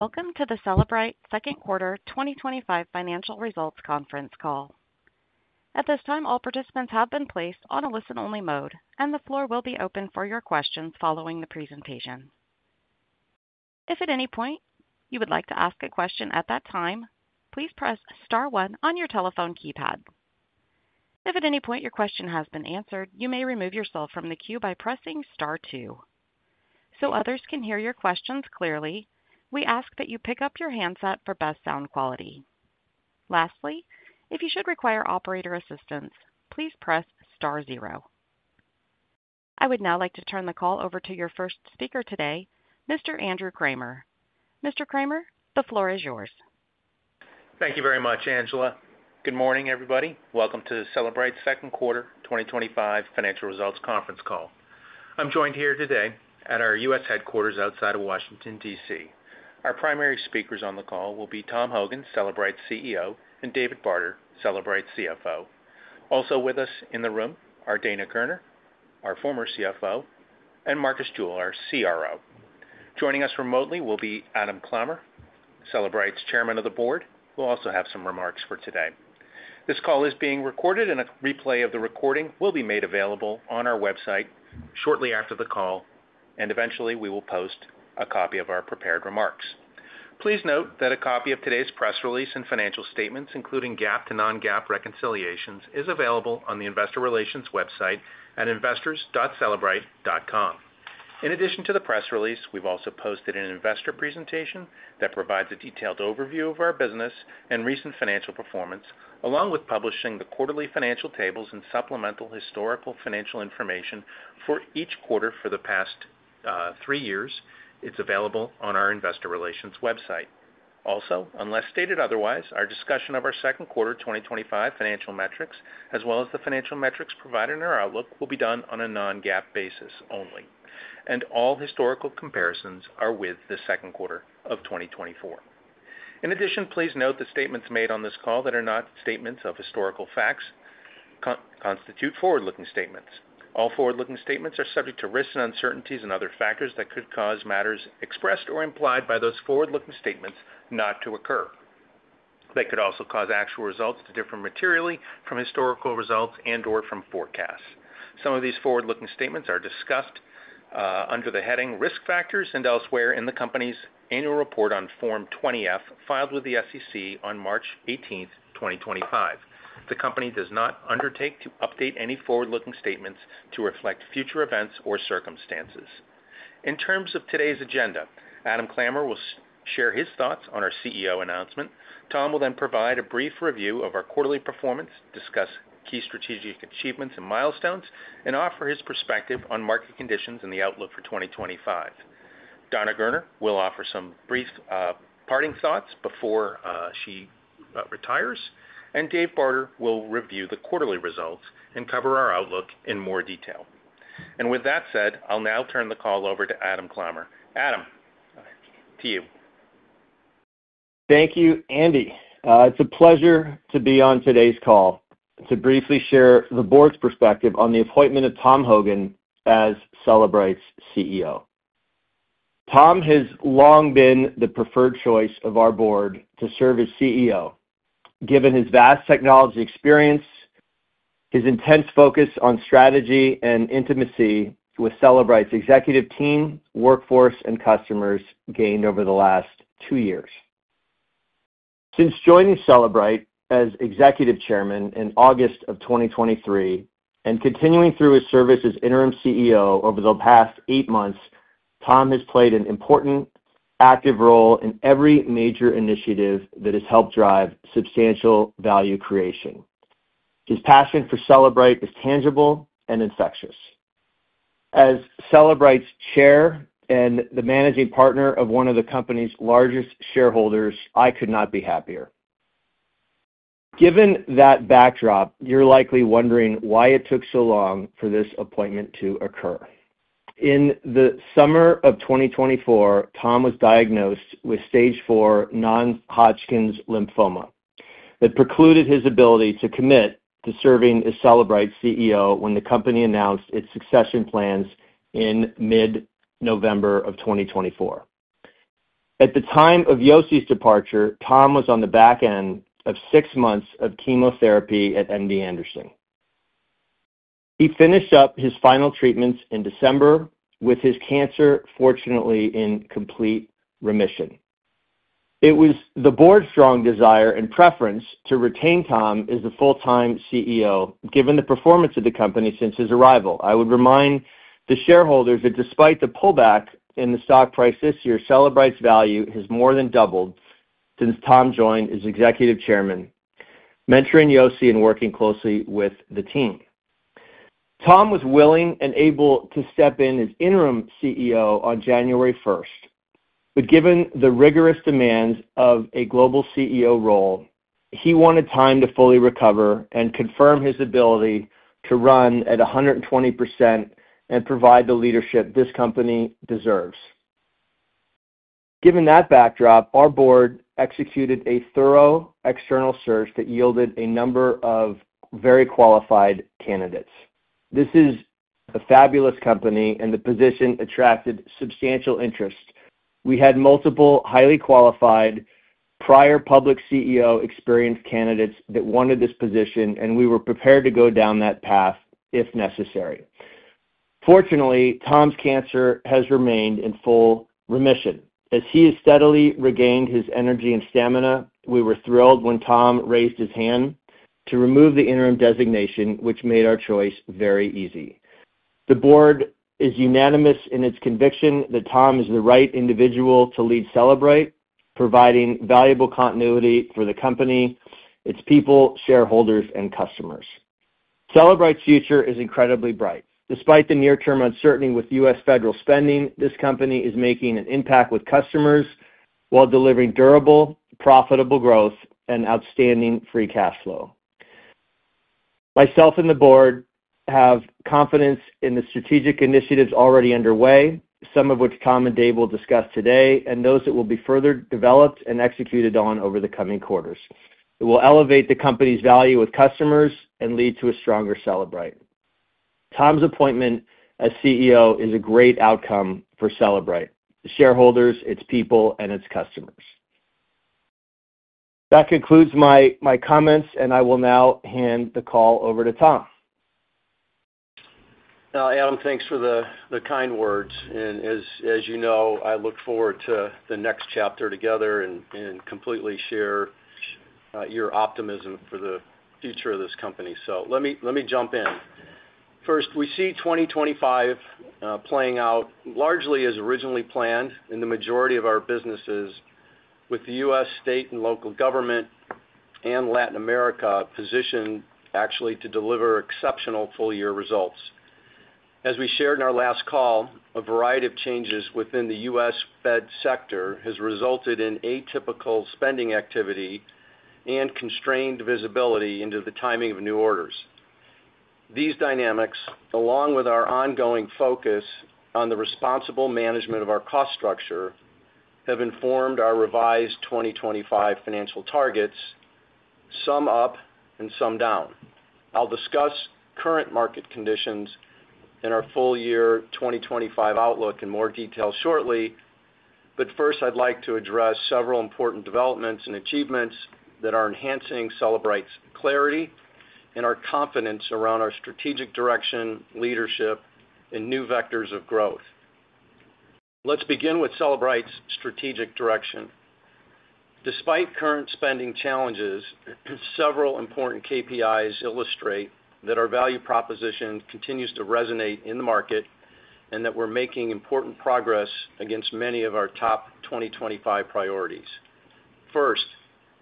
Welcome to the Cellebrite second quarter 2025 financial results conference call. At this time, all participants have been placed on a listen-only mode, and the floor will be open for your questions following the presentation. If at any point you would like to ask a question at that time, please press star one on your telephone keypad. If at any point your question has been answered, you may remove yourself from the queue by pressing star two. So others can hear your questions clearly, we ask that you pick up your handset for best sound quality. Lastly, if you should require operator assistance, please press star zero. I would now like to turn the call over to your first speaker today, Mr. Andy Kramer. Mr. Kramer, the floor is yours. Thank you very much, Angela. Good morning, everybody. Welcome to Cellebrite's second quarter 2025 financial results conference call. I'm joined here today at our U.S. headquarters outside of Washington, D.C. Our primary speakers on the call will be Tom Hogan, Cellebrite's CEO, and David Barter, Cellebrite's CFO. Also with us in the room are Dana Gerner, our former CFO, and Marcus Jewell, our CRO. Joining us remotely will be Adam Clammer, Cellebrite's Chairman of the Board, who will also have some remarks for today. This call is being recorded, and a replay of the recording will be made available on our website shortly after the call. Eventually we will post a copy of our prepared remarks. Please note that a copy of today's press release and financial statements, including GAAP to non-GAAP reconciliations, is available on the investor relations website at investors.cellebrite.com. In addition to the press release, we've also posted an investor presentation that provides a detailed overview of our business and recent financial performance, along with publishing the quarterly financial tables and supplemental historical financial information for each quarter for the past three years. It's available on our investor relations website. Unless stated otherwise, our discussion of our second quarter 2025 financial metrics, as well as the financial metrics provided in our outlook, will be done on a non-GAAP basis only. All historical comparisons are with the second quarter of 2024. Please note the statements made on this call that are not statements of historical facts and constitute forward-looking statements. All forward-looking statements are subject to risks and uncertainties and other factors that could cause matters expressed or implied by those forward-looking statements not to occur. They could also cause actual results to differ materially from historical results and/or from forecasts. Some of these forward-looking statements are discussed under the heading Risk Factors and elsewhere in the company's annual report on form 20-F filed with the SEC on March 18, 2025. The company does not undertake to update any forward-looking statements to reflect future events or circumstances. In terms of today's agenda, Adam Clammer will share his thoughts on our CEO announcement. Tom will then provide a brief review of our quarterly performance, discuss key strategic achievements and milestones, and offer his perspective on market conditions and the outlook for 2025. Dana Gerner will offer some brief parting thoughts before she retires, and David Barter will review the quarterly results and cover our outlook in more detail. With that said, I'll now turn the call over to Adam Clammer. Adam, to you. Thank you, Andy. It's a pleasure to be on today's call to briefly share the board's perspective on the appointment of Tom Hogan as Cellebrite's CEO. Tom has long been the preferred choice of our board to serve as CEO, given his vast technology experience, his intense focus on strategy, and intimacy with Cellebrite's executive team, workforce, and customers gained over the last two years. Since joining Cellebrite as Executive Chairman in August of 2023 and continuing through his service as interim CEO over the past eight months, Tom has played an important active role in every major initiative that has helped drive substantial value creation. His passion for Cellebrite is tangible and infectious. As Cellebrite's Chair and the Managing Partner of one of the company's largest shareholders, I could not be happier. Given that backdrop, you're likely wondering why it took so long for this appointment to occur. In the summer of 2024, Tom was diagnosed with stage four non-Hodgkin's lymphoma that precluded his ability to commit to serving as Cellebrite's CEO when the company announced its succession plans in mid-November of 2024. At the time of Yossi's departure, Tom was on the back end of six months of chemotherapy at MD Anderson. He finished up his final treatments in December, with his cancer fortunately in complete remission. It was the board's strong desire and preference to retain Tom as the full-time CEO, given the performance of the company since his arrival. I would remind the shareholders that despite the pullback in the stock price this year, Cellebrite's value has more than doubled since Tom joined as Executive Chairman, mentoring Yossi and working closely with the team. Tom was willing and able to step in as interim CEO on January 1st, but given the rigorous demands of a global CEO role, he wanted time to fully recover and confirm his ability to run at 120% and provide the leadership this company deserves. Given that backdrop, our board executed a thorough external search that yielded a number of very qualified candidates. This is a fabulous company, and the position attracted substantial interest. We had multiple highly qualified prior public CEO experience candidates that wanted this position, and we were prepared to go down that path if necessary. Fortunately, Tom's cancer has remained in full remission. As he has steadily regained his energy and stamina, we were thrilled when Tom raised his hand to remove the interim designation, which made our choice very easy. The board is unanimous in its conviction that Tom is the right individual to lead Cellebrite, providing valuable continuity for the company, its people, shareholders, and customers. Cellebrite's future is incredibly bright. Despite the near-term uncertainty with U.S. federal spending, this company is making an impact with customers while delivering durable, profitable growth and outstanding free cash flow. Myself and the board have confidence in the strategic initiatives already underway, some of which Tom and Dave will discuss today, and those that will be further developed and executed on over the coming quarters. It will elevate the company's value with customers and lead to a stronger Cellebrite. Tom's appointment as CEO is a great outcome for Cellebrite, its shareholders, its people, and its customers. That concludes my comments, and I will now hand the call over to Tom. Now, Adam, thanks for the kind words. As you know, I look forward to the next chapter together and completely share your optimism for the future of this company. Let me jump in. First, we see 2025 playing out largely as originally planned in the majority of our businesses, with the U.S. state and local government and Latin America positioned actually to deliver exceptional full-year results. As we shared in our last call, a variety of changes within the U.S. Fed sector have resulted in atypical spending activity and constrained visibility into the timing of new orders. These dynamics, along with our ongoing focus on the responsible management of our cost structure, have informed our revised 2025 financial targets, some up and some down. I will discuss current market conditions and our full-year 2025 outlook in more detail shortly. First, I'd like to address several important developments and achievements that are enhancing Cellebrite clarity and our confidence around our strategic direction, leadership, and new vectors of growth. Let's begin with Cellebrite strategic direction. Despite current spending challenges, several important KPIs illustrate that our value proposition continues to resonate in the market and that we're making important progress against many of our top 2025 priorities. First,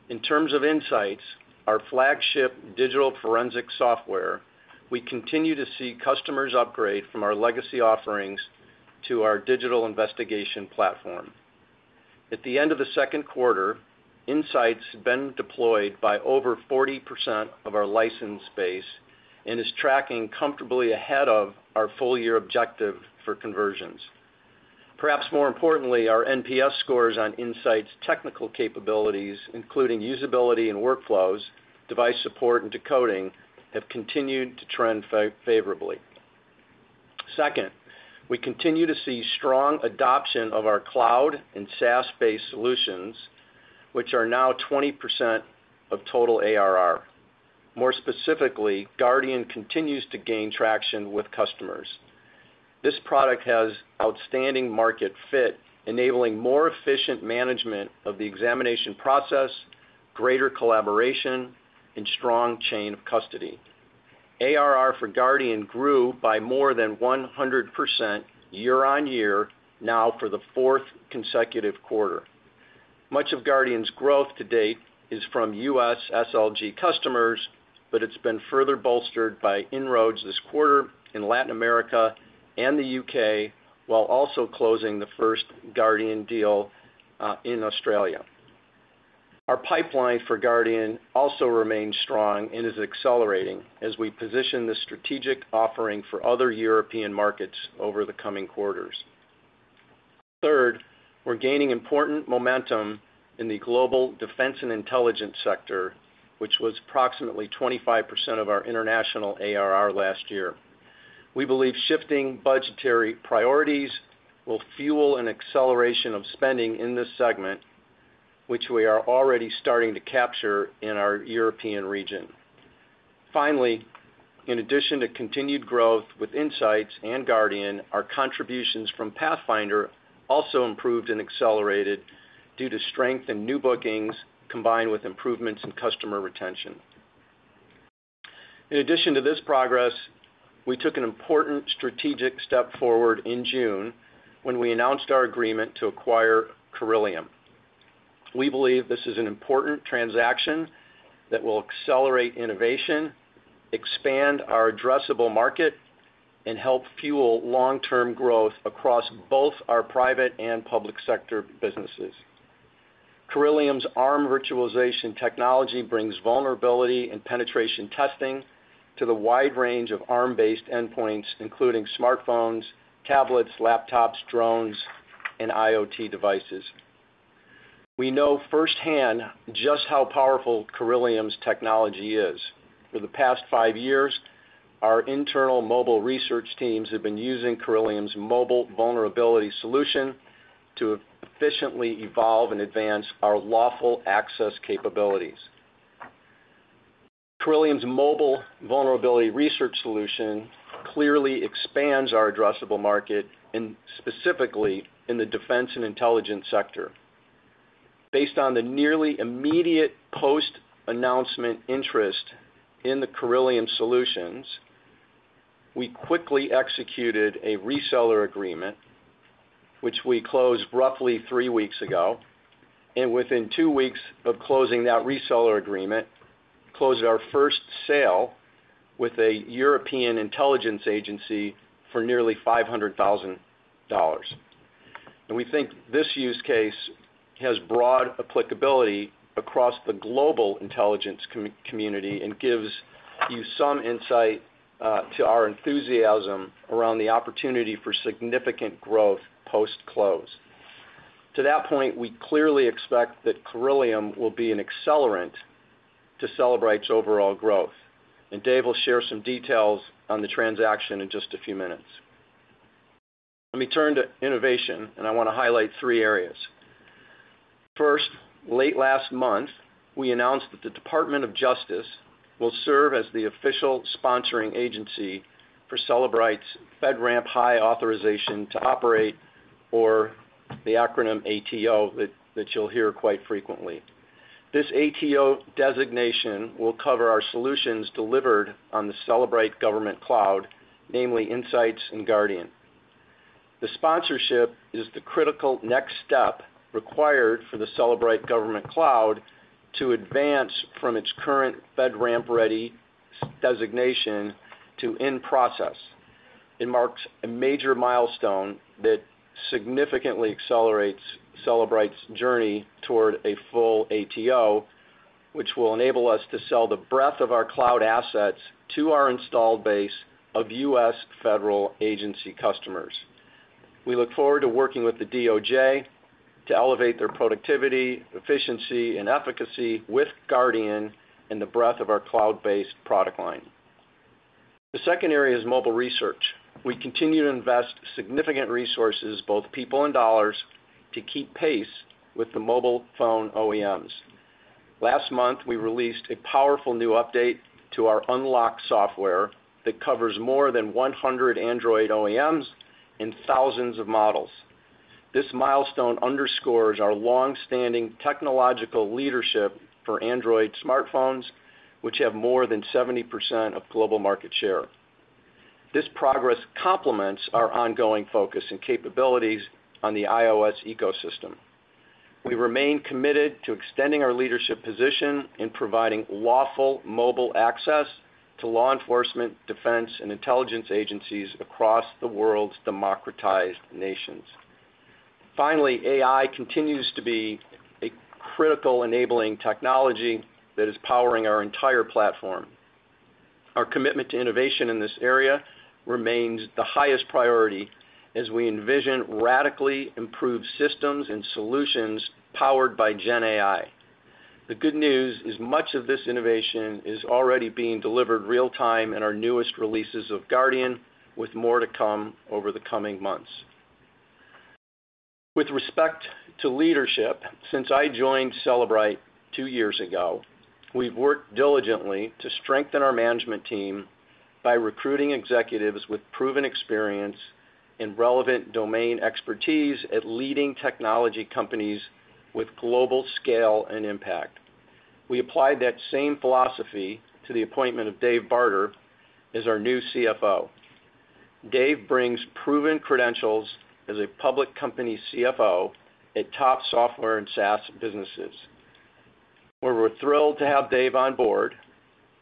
in terms of Insights, our flagship digital forensic software, we continue to see customers upgrade from our legacy offerings to our digital investigation platform. At the end of the second quarter, Insights has been deployed by over 40% of our licensed base and is tracking comfortably ahead of our full-year objective for conversions. Perhaps more importantly, our NPS scores on Insights' technical capabilities, including usability and workflows, device support, and decoding, have continued to trend favorably. Second, we continue to see strong adoption of our cloud/SaaS based solutions, which are now 20% of total ARR. More specifically, Guardian continues to gain traction with customers. This product has outstanding market fit, enabling more efficient management of the examination process, greater collaboration, and strong chain of custody. ARR for Guardian grew by more than 100% year-on-year, now for the fourth consecutive quarter. Much of Guardian's growth to date is from U.S. SLG customers, but it's been further bolstered by inroads this quarter in Latin America and the U.K., while also closing the first Guardian deal in Australia. Our pipeline for Guardian also remains strong and is accelerating as we position the strategic offering for other European markets over the coming quarters. Third, we're gaining important momentum in the global defense and intelligence sector, which was approximately 25% of our international ARR last year. We believe shifting budgetary priorities will fuel an acceleration of spending in this segment, which we are already starting to capture in our European region. Finally, in addition to continued growth with Insights and Guardian, our contributions from Pathfinder also improved and accelerated due to strength in new bookings, combined with improvements in customer retention. In addition to this progress, we took an important strategic step forward in June when we announced our agreement to acquire Corellium. We believe this is an important transaction that will accelerate innovation, expand our addressable market, and help fuel long-term growth across both our private and public sector businesses. Corellium's ARM virtualization technology brings vulnerability and penetration testing to the wide range of ARM-based endpoints, including smartphones, tablets, laptops, drones, and IoT devices. We know firsthand just how powerful Corellium's technology is. For the past five years, our internal mobile research teams have been using Corellium's mobile vulnerability solution to efficiently evolve and advance our lawful access capabilities. Corellium's mobile vulnerability research solution clearly expands our addressable market, specifically in the defense and intelligence sector. Based on the nearly immediate post-announcement interest in the Corellium solutions, we quickly executed a reseller agreement, which we closed roughly three weeks ago. Within two weeks of closing that reseller agreement, we closed our first sale with a European intelligence agency for nearly $500,000. We think this use case has broad applicability across the global intelligence community and gives you some insight to our enthusiasm around the opportunity for significant growth post-close. To that point, we clearly expect that Corellium will be an accelerant to Cellebrite's overall growth. Dave will share some details on the transaction in just a few minutes. Let me turn to innovation, and I want to highlight three areas. First, late last month, we announced that the Department of Justice will serve as the official sponsoring agency for Cellebrite's FedRAMP high authorization to operate, or the acronym ATO that you'll hear quite frequently. This ATO designation will cover our solutions delivered on the Cellebrite Government Cloud, namely Insights and Guardian. The sponsorship is the critical next step required for the Cellebrite Government Cloud to advance from its current FedRAMP-ready designation to in-process. It marks a major milestone that significantly accelerates Cellebrite's journey toward a full ATO, which will enable us to sell the breadth of our cloud assets to our installed base of U.S. federal agency customers. We look forward to working with the DOJ to elevate their productivity, efficiency, and efficacy with Guardian and the breadth of our cloud-based product line. The second area is mobile research. We continue to invest significant resources, both people and dollars, to keep pace with the mobile phone OEMs. Last month, we released a powerful new update to our unlock software that covers more than 100 Android OEMs and thousands of models. This milestone underscores our longstanding technological leadership for Android smartphones, which have more than 70% of global market share. This progress complements our ongoing focus and capabilities on the iOS ecosystem. We remain committed to extending our leadership position in providing lawful mobile access to law enforcement, defense, and intelligence agencies across the world's democratized nations. Finally, AI continues to be a critical enabling technology that is powering our entire platform. Our commitment to innovation in this area remains the highest priority as we envision radically improved systems and solutions powered by GenAI. The good news is much of this innovation is already being delivered real-time in our newest releases of Guardian, with more to come over the coming months. With respect to leadership, since I joined Cellebrite two years ago, we've worked diligently to strengthen our management team by recruiting executives with proven experience and relevant domain expertise at leading technology companies with global scale and impact. We applied that same philosophy to the appointment of Dave Barter as our new CFO. Dave brings proven credentials as a public company CFO at top software and SaaS businesses. We're thrilled to have Dave on board.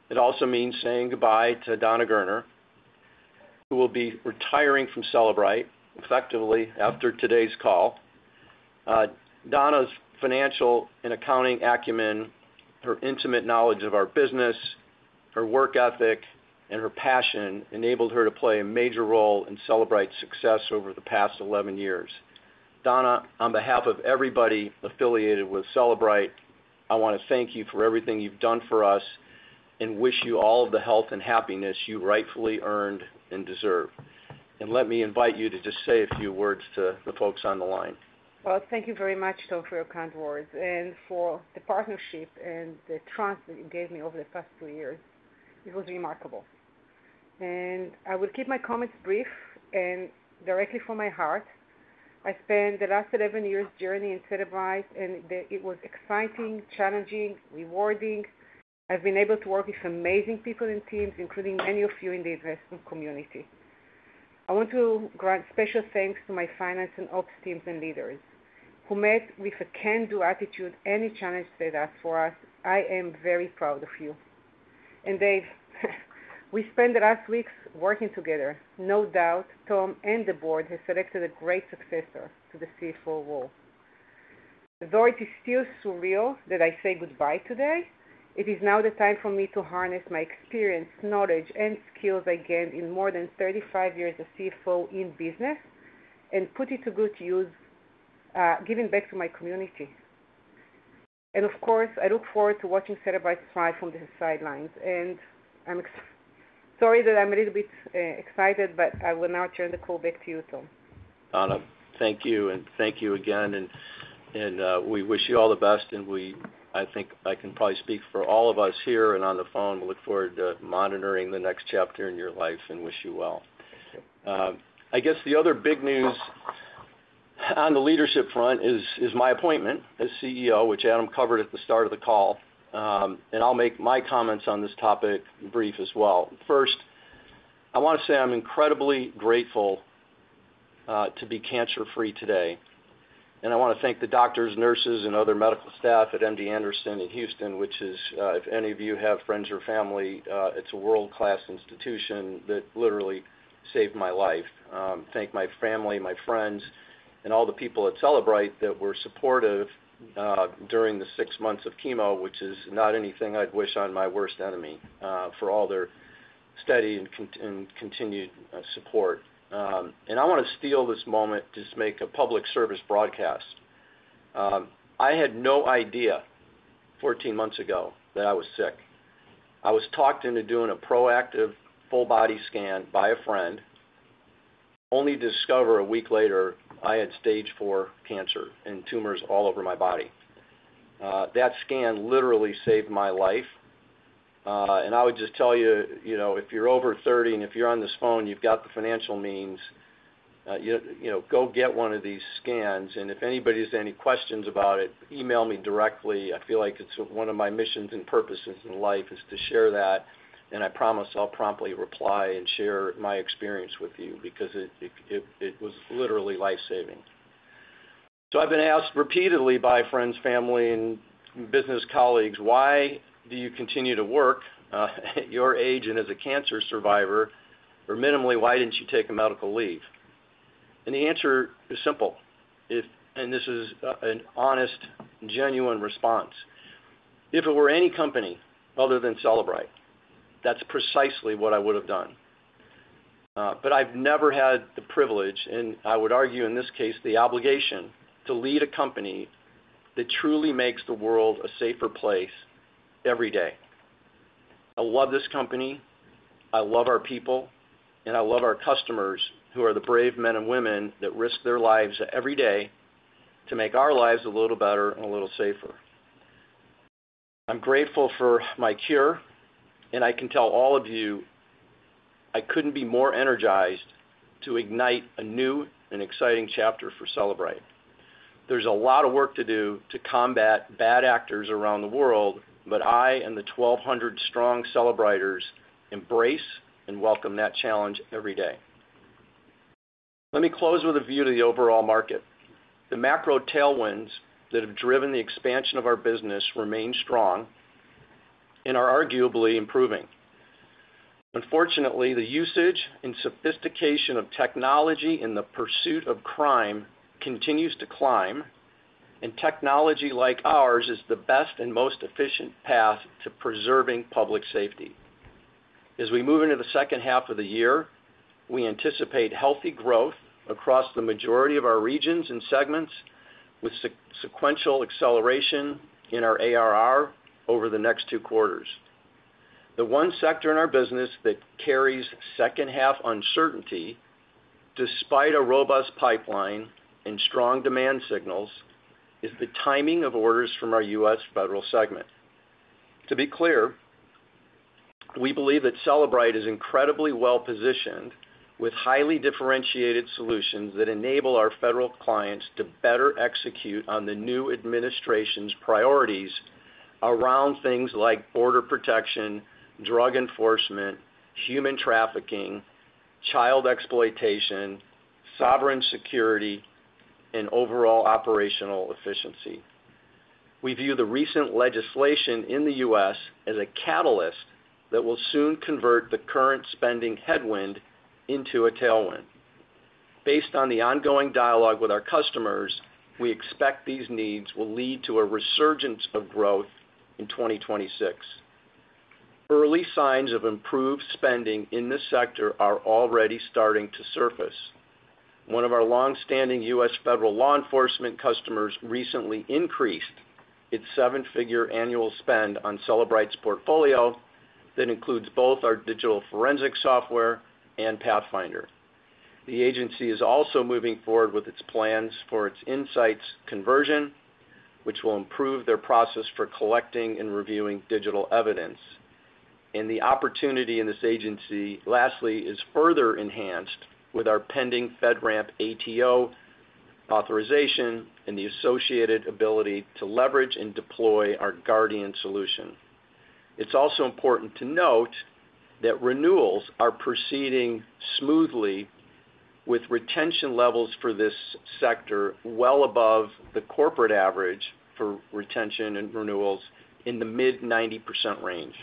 It also means saying goodbye to Dana Gerner, who will be retiring from Cellebrite effectively after today's call. Dana's financial and accounting acumen, her intimate knowledge of our business, her work ethic, and her passion enabled her to play a major role in Cellebrite's success over the past 11 years. Dana, on behalf of everybody affiliated with Cellebrite, I want to thank you for everything you've done for us and wish you all of the health and happiness you rightfully earned and deserve. Let me invite you to just say a few words to the folks on the line. Thank you very much, Tom, for your kind words and for the partnership and the trust that you gave me over the past two years. It was remarkable. I will keep my comments brief and directly from my heart. I spent the last 11 years journeying in Cellebrite, and it was exciting, challenging, rewarding. I've been able to work with amazing people and teams, including many of you in the investment community. I want to grant special thanks to my finance and ops teams and leaders who met with a can-do attitude any challenge they asked for us. I am very proud of you. Dave, we spent the last weeks working together. No doubt, Tom and the board have selected a great successor to the CFO role. Though it is still surreal that I say goodbye today, it is now the time for me to harness my experience, knowledge, and skills I gained in more than 35 years as CFO in business and put it to good use, giving back to my community. Of course, I look forward to watching Cellebrite thrive from the sidelines. I'm sorry that I'm a little bit excited, but I will now turn the call back to you, Tom. Dana, thank you, and thank you again. We wish you all the best. I think I can probably speak for all of us here and on the phone. We look forward to monitoring the next chapter in your life and wish you well. I guess the other big news on the leadership front is my appointment as CEO, which Adam Clammer covered at the start of the call. I'll make my comments on this topic brief as well. First, I want to say I'm incredibly grateful to be cancer-free today. I want to thank the doctors, nurses, and other medical staff at MD Anderson in Houston, which is, if any of you have friends or family, it's a world-class institution that literally saved my life. Thank my family, my friends, and all the people at Cellebrite that were supportive during the six months of chemo, which is not anything I'd wish on my worst enemy, for all their steady and continued support. I want to steal this moment to make a public service broadcast. I had no idea 14 months ago that I was sick. I was talked into doing a proactive full-body scan by a friend, only to discover a week later I had stage four cancer and tumors all over my body. That scan literally saved my life. I would just tell you, if you're over 30 and if you're on this phone, you've got the financial means, go get one of these scans. If anybody has any questions about it, email me directly. I feel like it's one of my missions and purposes in life is to share that. I promise I'll promptly reply and share my experience with you because it was literally life-saving. I've been asked repeatedly by friends, family, and business colleagues, why do you continue to work at your age and as a cancer survivor, or minimally, why didn't you take a medical leave? The answer is simple. This is an honest, genuine response. If it were any company other than Cellebrite that's precisely what I would have done. I've never had the privilege, and I would argue in this case, the obligation to lead a company that truly makes the world a safer place every day. I love this company. I love our people. I love our customers who are the brave men and women that risk their lives every day to make our lives a little better and a little safer. I'm grateful for my cure, and I can tell all of you I couldn't be more energized to ignite a new and exciting chapter for Cellebrite. There's a lot of work to do to combat bad actors around the world, but I and the 1,200 strong Cellebriters embrace and welcome that challenge every day. Let me close with a view to the overall market. The macro tailwinds that have driven the expansion of our business remain strong and are arguably improving. Unfortunately, the usage and sophistication of technology in the pursuit of crime continues to climb, and technology like ours is the best and most efficient path to preserving public safety. As we move into the second half of the year, we anticipate healthy growth across the majority of our regions and segments with sequential acceleration in our ARR over the next two quarters. The one sector in our business that carries second-half uncertainty, despite a robust pipeline and strong demand signals, is the timing of orders from our U.S. federal segment. To be clear, we believe that Cellebrite is incredibly well-positioned with highly differentiated solutions that enable our federal clients to better execute on the new administration's priorities around things like border protection, drug enforcement, human trafficking, child exploitation, sovereign security, and overall operational efficiency. We view the recent legislation in the U.S. as a catalyst that will soon convert the current spending headwind into a tailwind. Based on the ongoing dialogue with our customers, we expect these needs will lead to a resurgence of growth in 2026. Early signs of improved spending in this sector are already starting to surface. One of our longstanding U.S. federal law enforcement customers recently increased its seven-figure annual spend on Cellebrite's portfolio that includes both our digital forensics software and Pathfinder. The agency is also moving forward with its plans for its Insights conversion, which will improve their process for collecting and reviewing digital evidence. The opportunity in this agency, lastly, is further enhanced with our pending FedRAMP High ATO authorization and the associated ability to leverage and deploy our Guardian solution. It's also important to note that renewals are proceeding smoothly, with retention levels for this sector well above the corporate average for retention and renewals in the mid-90% range.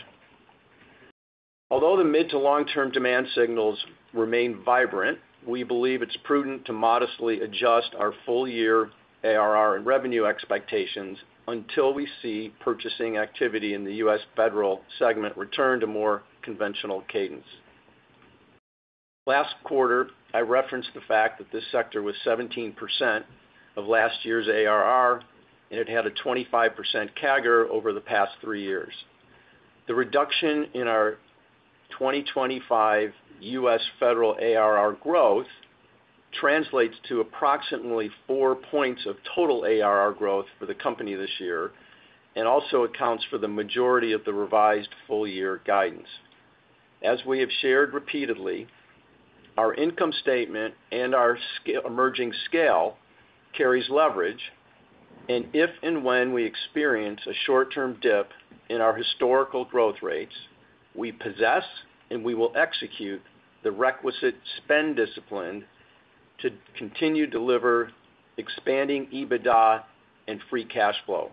Although the mid-to-long-term demand signals remain vibrant, we believe it's prudent to modestly adjust our full-year ARR and revenue expectations until we see purchasing activity in the U.S. federal segment return to more conventional cadence. Last quarter, I referenced the fact that this sector was 17% of last year's ARR, and it had a 25% CAGR over the past three years. The reduction in our 2025 U.S. federal ARR growth translates to approximately four points of total ARR growth for the company this year and also accounts for the majority of the revised full-year guidance. As we have shared repeatedly, our income statement and our emerging scale carries leverage. If and when we experience a short-term dip in our historical growth rates, we possess and we will execute the requisite spend discipline to continue to deliver expanding EBITDA and free cash flow,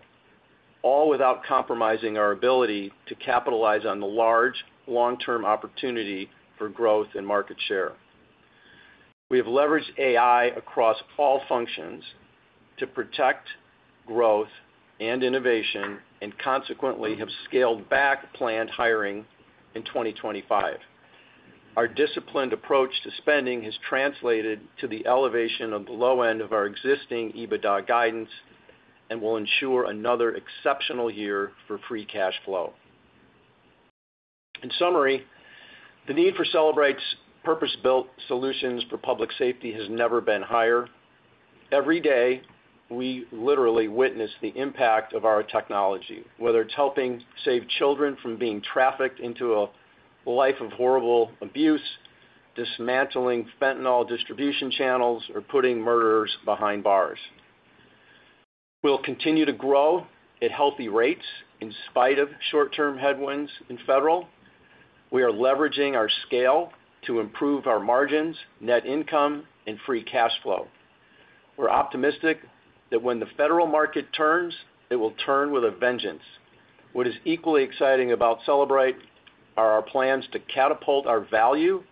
all without compromising our ability to capitalize on the large long-term opportunity for growth and market share. We have leveraged AI across all functions to protect growth and innovation and consequently have scaled back planned hiring in 2025. Our disciplined approach to spending has translated to the elevation of the low end of our existing EBITDA guidance and will ensure another exceptional year for free cash flow. In summary, the need for Cellebrite's purpose-built solutions for public safety has never been higher. Every day, we literally witness the impact of our technology, whether it's helping save children from being trafficked into a life of horrible abuse, dismantling fentanyl distribution channels, or putting murderers behind bars. We'll continue to grow at healthy rates in spite of short-term headwinds in federal. We are leveraging our scale to improve our margins, net income, and free cash flow. We're optimistic that when the federal market turns, it will turn with a vengeance. What is equally exciting about Cellebrite are our plans to catapult our value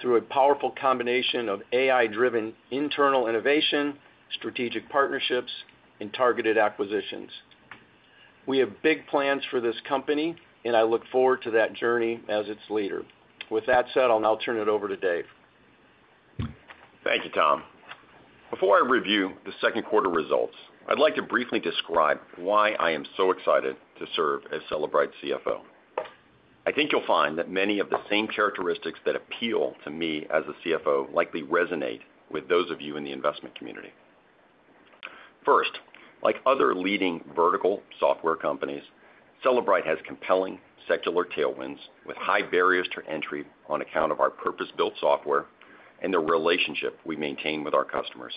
through a powerful combination of AI-driven internal innovation, strategic partnerships, and targeted acquisitions. We have big plans for this company, and I look forward to that journey as its leader. With that said, I'll now turn it over to Dave. Thank you, Tom. Before I review the second quarter results, I'd like to briefly describe why I am so excited to serve as Cellebrite's CFO. I think you'll find that many of the same characteristics that appeal to me as a CFO likely resonate with those of you in the investment community. First, like other leading vertical software companies, Cellebrite has compelling secular tailwinds with high barriers to entry on account of our purpose-built software and the relationship we maintain with our customers.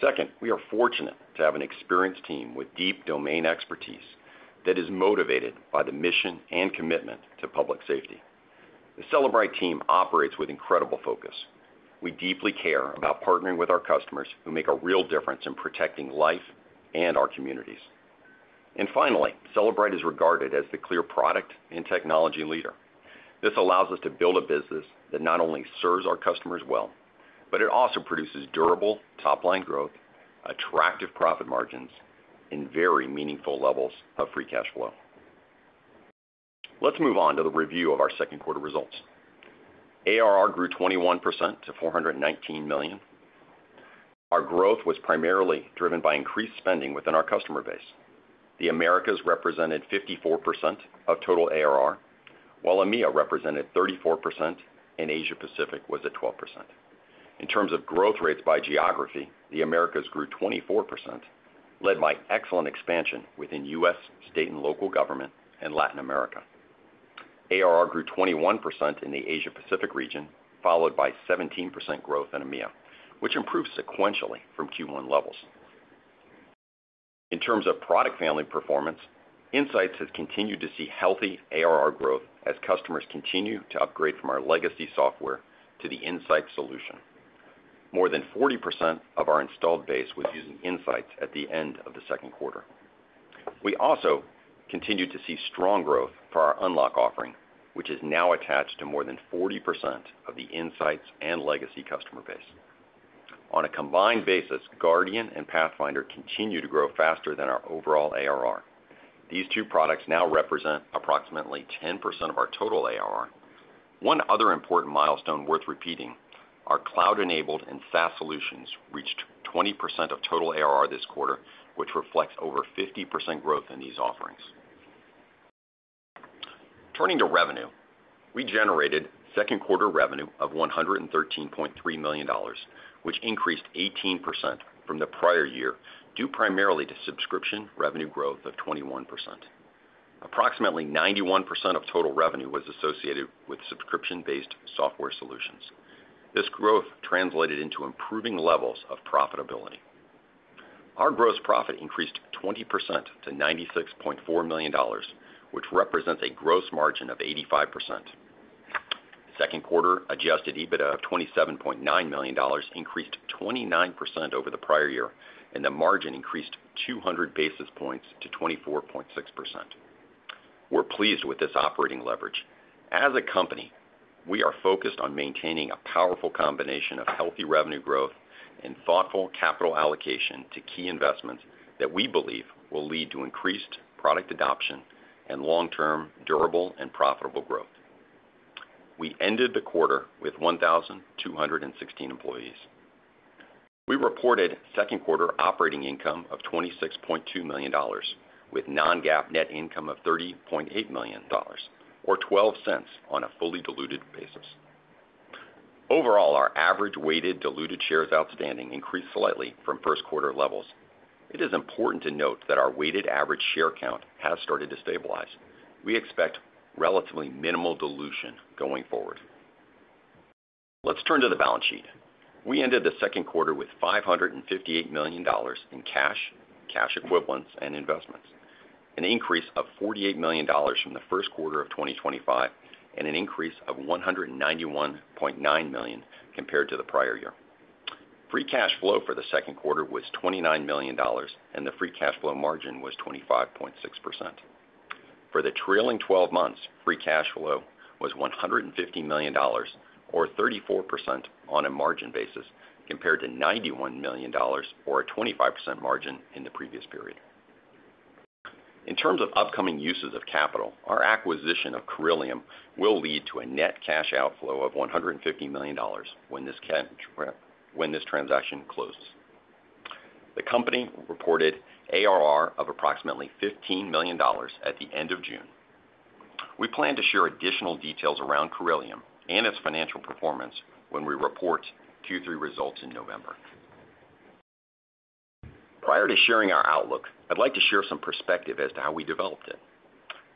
Second, we are fortunate to have an experienced team with deep domain expertise that is motivated by the mission and commitment to public safety. The Cellebrite team operates with incredible focus. We deeply care about partnering with our customers who make a real difference in protecting life and our communities. Finally, Cellebrite is regarded as the clear product and technology leader. This allows us to build a business that not only serves our customers well, but it also produces durable top-line growth, attractive profit margins, and very meaningful levels of free cash flow. Let's move on to the review of our second quarter results. ARR grew 21% to $419 million. Our growth was primarily driven by increased spending within our customer base. The Americas represented 54% of total ARR, while EMEA represented 34% and Asia-Pacific was at 12%. In terms of growth rates by geography, the Americas grew 24%, led by excellent expansion within U.S. state and local government and Latin America. ARR grew 21% in the Asia-Pacific region, followed by 17% growth in EMEA, which improved sequentially from Q1 levels. In terms of product family performance, Insights has continued to see healthy ARR growth as customers continue to upgrade from our legacy software to the Insights solution. More than 40% of our installed base was using Insights at the end of the second quarter. We also continued to see strong growth for our unlock offering, which is now attached to more than 40% of the Insights and legacy customer base. On a combined basis, Guardian and Pathfinder continue to grow faster than our overall ARR. These two products now represent approximately 10% of our total ARR. One other important milestone worth repeating, our cloud-enabled and SaaS solutions reached 20% of total ARR this quarter, which reflects over 50% growth in these offerings. Turning to revenue, we generated second quarter revenue of $113.3 million, which increased 18% from the prior year, due primarily to subscription revenue growth of 21%. Approximately 91% of total revenue was associated with subscription-based software solutions. This growth translated into improving levels of profitability. Our gross profit increased 20% to $96.4 million, which represents a gross margin of 85%. Second quarter adjusted EBITDA of $27.9 million increased 29% over the prior year, and the margin increased 200 basis points to 24.6%. We're pleased with this operating leverage. As a company, we are focused on maintaining a powerful combination of healthy revenue growth and thoughtful capital allocation to key investments that we believe will lead to increased product adoption and long-term durable and profitable growth. We ended the quarter with 1,216 employees. We reported second quarter operating income of $26.2 million, with non-GAAP net income of $30.8 million, or $0.12 on a fully diluted basis. Overall, our average weighted diluted shares outstanding increased slightly from first quarter levels. It is important to note that our weighted average share count has started to stabilize. We expect relatively minimal dilution going forward. Let's turn to the balance sheet. We ended the second quarter with $558 million in cash, cash equivalents, and investments, an increase of $48 million from the first quarter of 2025, and an increase of $191.9 million compared to the prior year. Free cash flow for the second quarter was $29 million, and the free cash flow margin was 25.6%. For the trailing 12 months, free cash flow was $150 million, or 34% on a margin basis, compared to $91 million, or a 25% margin in the previous period. In terms of upcoming uses of capital, our acquisition of Corellium will lead to a net cash outflow of $150 million when this transaction closes. The company reported ARR of approximately $15 million at the end of June. We plan to share additional details around Corellium and its financial performance when we report Q3 results in November. Prior to sharing our outlook, I'd like to share some perspective as to how we developed it.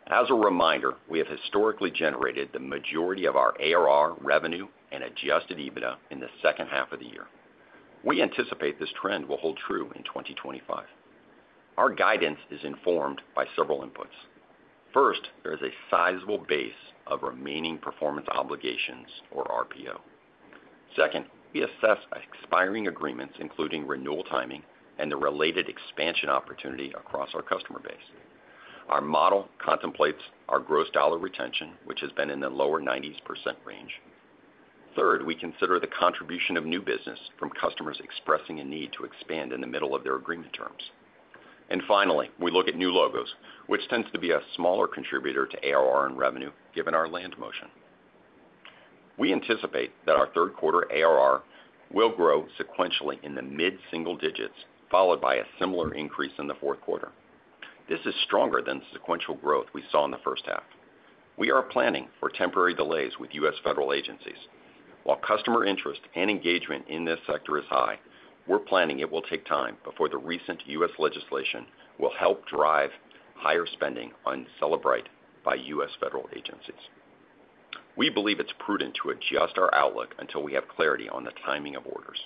As a reminder, we have historically generated the majority of our ARR revenue and adjusted EBITDA in the second half of the year. We anticipate this trend will hold true in 2025. Our guidance is informed by several inputs. First, there is a sizable base of remaining performance obligations, or RPO. Second, we assess expiring agreements, including renewal timing and the related expansion opportunity across our customer base. Our model contemplates our gross dollar retention, which has been in the lower 90% range. Third, we consider the contribution of new business from customers expressing a need to expand in the middle of their agreement terms. Finally, we look at new logos, which tends to be a smaller contributor to ARR and revenue, given our land motion. We anticipate that our third quarter ARR will grow sequentially in the mid-single digits, followed by a similar increase in the fourth quarter. This is stronger than the sequential growth we saw in the first half. We are planning for temporary delays with U.S. federal agencies. While customer interest and engagement in this sector is high, we're planning it will take time before the recent U.S. legislation will help drive higher spending on Cellebrite by U.S. federal agencies. We believe it's prudent to adjust our outlook until we have clarity on the timing of orders.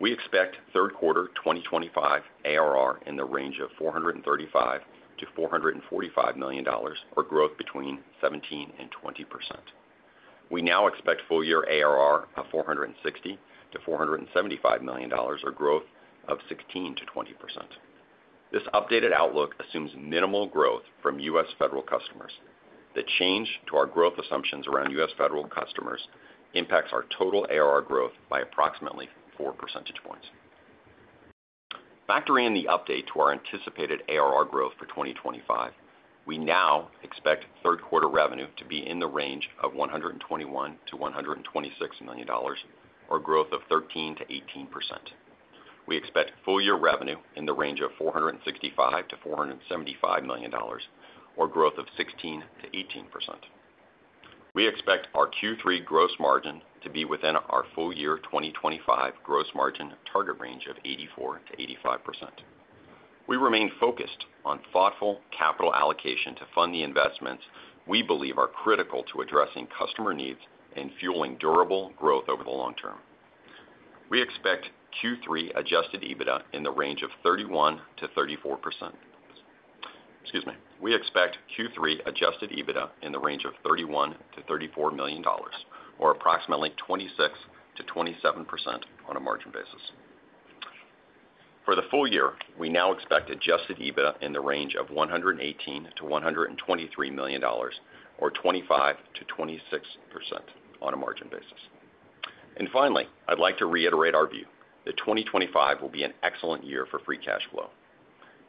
We expect third quarter 2025 ARR in the range of $435 million-$445 million, or growth between 17% and 20%. We now expect full-year ARR of $460 million-$475 million, or growth of 16%-20%. This updated outlook assumes minimal growth from U.S. federal customers. The change to our growth assumptions around U.S. federal customers impacts our total ARR growth by approximately 4 percentage points. Factoring in the update to our anticipated ARR growth for 2025, we now expect third quarter revenue to be in the range of $121 million-$126 million, or growth of 13%-18%. We expect full-year revenue in the range of $465 million-$475 million, or growth of 16%-18%. We expect our Q3 gross margin to be within our full-year 2025 gross margin target range of 84%-85%. We remain focused on thoughtful capital allocation to fund the investments we believe are critical to addressing customer needs and fueling durable growth over the long term. We expect Q3 adjusted EBITDA in the range of $31 million-$34 million, or approximately 26%-27% on a margin basis. For the full year, we now expect adjusted EBITDA in the range of $118 million-$123 million, or 25%-26% on a margin basis. Finally, I'd like to reiterate our view that 2025 will be an excellent year for free cash flow.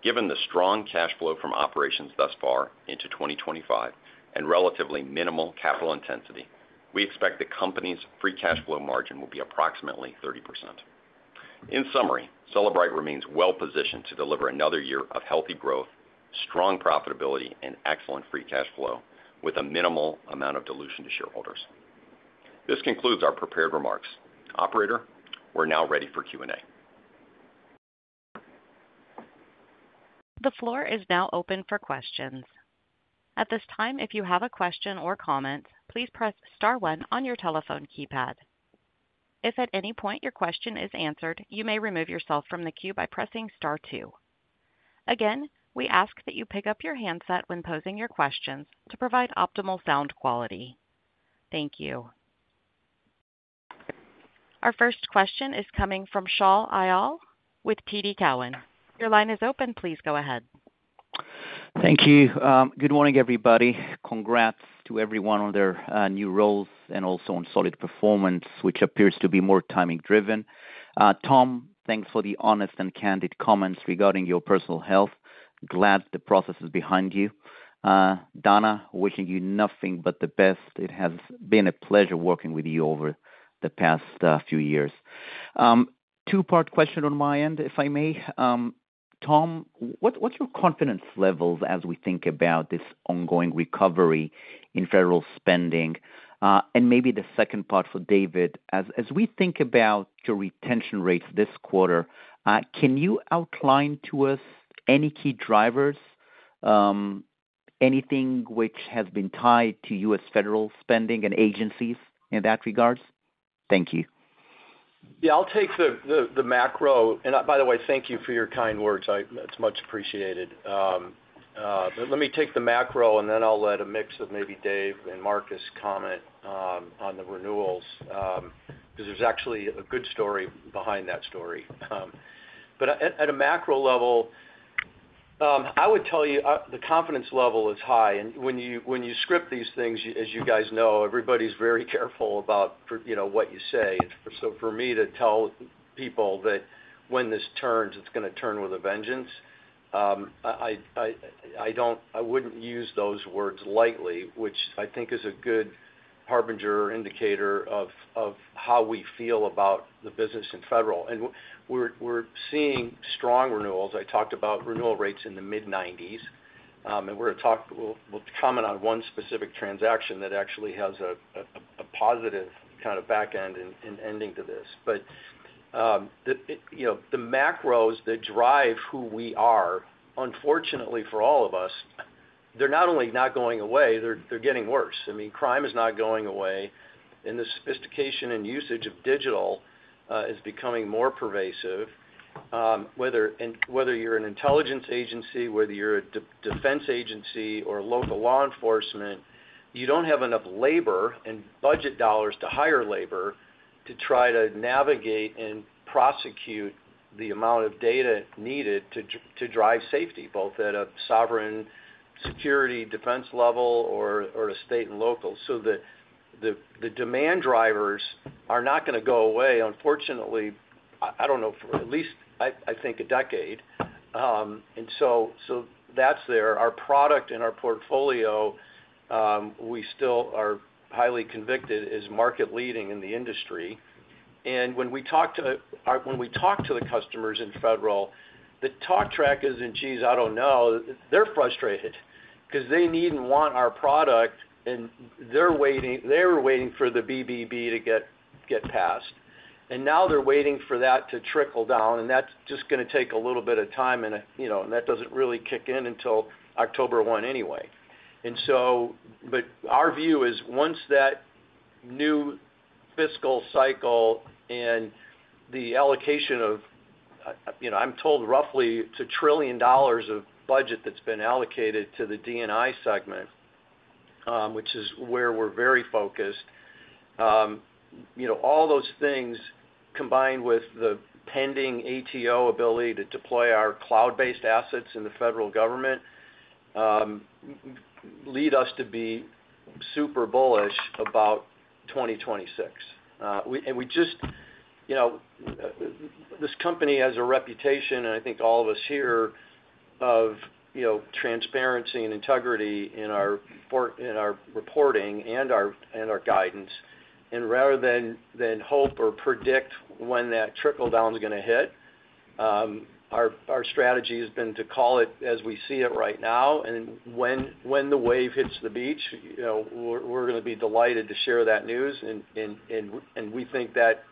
Given the strong cash flow from operations thus far into 2025 and relatively minimal capital intensity, we expect the company's free cash flow margin will be approximately 30%. In summary, Cellebrite remains well-positioned to deliver another year of healthy growth, strong profitability, and excellent free cash flow with a minimal amount of dilution to shareholders. This concludes our prepared remarks. Operator, we're now ready for Q&A. The floor is now open for questions. At this time, if you have a question or comment, please press star one on your telephone keypad. If at any point your question is answered, you may remove yourself from the queue by pressing star two. Again, we ask that you pick up your handset when posing your questions to provide optimal sound quality. Thank you. Our first question is coming from Shaul Eyal with TD Cowen. Your line is open. Please go ahead. Thank you. Good morning, everybody. Congrats to everyone on their new roles and also on solid performance, which appears to be more timing-driven. Tom, thanks for the honest and candid comments regarding your personal health. Glad the process is behind you. Dana, wishing you nothing but the best. It has been a pleasure working with you over the past few years. Two-part question on my end, if I may. Tom, what's your confidence levels as we think about this ongoing recovery in federal spending? Maybe the second part for David. As we think about your retention rates this quarter, can you outline to us any key drivers, anything which has been tied to U.S. federal spending and agencies in that regard? Thank you. Yeah, I'll take the macro. By the way, thank you for your kind words. It's much appreciated. Let me take the macro, and then I'll let a mix of maybe Dave and Marcus comment on the renewals because there's actually a good story behind that story. At a macro level, I would tell you the confidence level is high. When you script these things, as you guys know, everybody's very careful about what you say. For me to tell people that when this turns, it's going to turn with a vengeance, I wouldn't use those words lightly, which I think is a good harbinger or indicator of how we feel about the business in federal. We're seeing strong renewals. I talked about renewal rates in the mid-90s. We'll comment on one specific transaction that actually has a positive kind of backend and ending to this. The macros that drive who we are, unfortunately for all of us, they're not only not going away, they're getting worse. Crime is not going away, and the sophistication and usage of digital is becoming more pervasive. Whether you're an intelligence agency, a defense agency, or local law enforcement, you don't have enough labor and budget dollars to hire labor to try to navigate and prosecute the amount of data needed to drive safety, both at a sovereign security defense level or a state and local. The demand drivers are not going to go away, unfortunately, I don't know, at least I think a decade. That's there. Our product and our portfolio, we still are highly convicted as market leading in the industry. When we talk to the customers in federal, the talk track is, and geez, I don't know, they're frustrated because they need and want our product, and they were waiting for the BBB to get passed. Now they're waiting for that to trickle down, and that's just going to take a little bit of time, and that doesn't really kick in until October 1 anyway. Our view is once that new fiscal cycle and the allocation of, you know, I'm told roughly it's $1 trillion of budget that's been allocated to the DNI segment, which is where we're very focused. All those things combined with the pending ATO ability to deploy our cloud-based assets in the federal government lead us to be super bullish about 2026. This company has a reputation, and I think all of us here, of transparency and integrity in our reporting and our guidance. Rather than hope or predict when that trickle down is going to hit, our strategy has been to call it as we see it right now. When the wave hits the beach, you know, we're going to be delighted to share that news, and we think that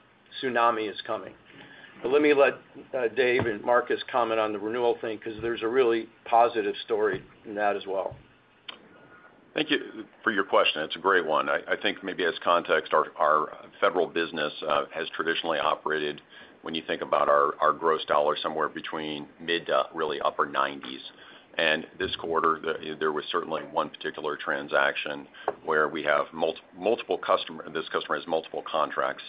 tsunami is coming. Let me let Dave and Marcus comment on the renewal thing because there's a really positive story in that as well. Thank you for your question. It's a great one. I think maybe as context, our federal business has traditionally operated, when you think about our gross dollars, somewhere between mid to really upper 90s. This quarter, there was certainly one particular transaction where we have multiple customers, this customer has multiple contracts.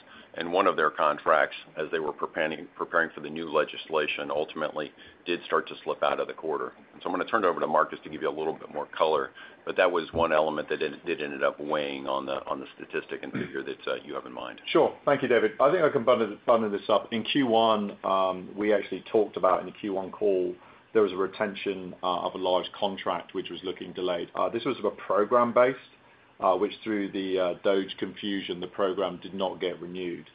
One of their contracts, as they were preparing for the new legislation, ultimately did start to slip out of the quarter. I'm going to turn it over to Marcus to give you a little bit more color. That was one element that did end up weighing on the statistic and figure that you have in mind. Sure. Thank you, David. I think I can button this up. In Q1, we actually talked about in the Q1 call, there was a retention of a large contract which was looking delayed. This was a program-based, which through the due confusion, the program did not get renewed.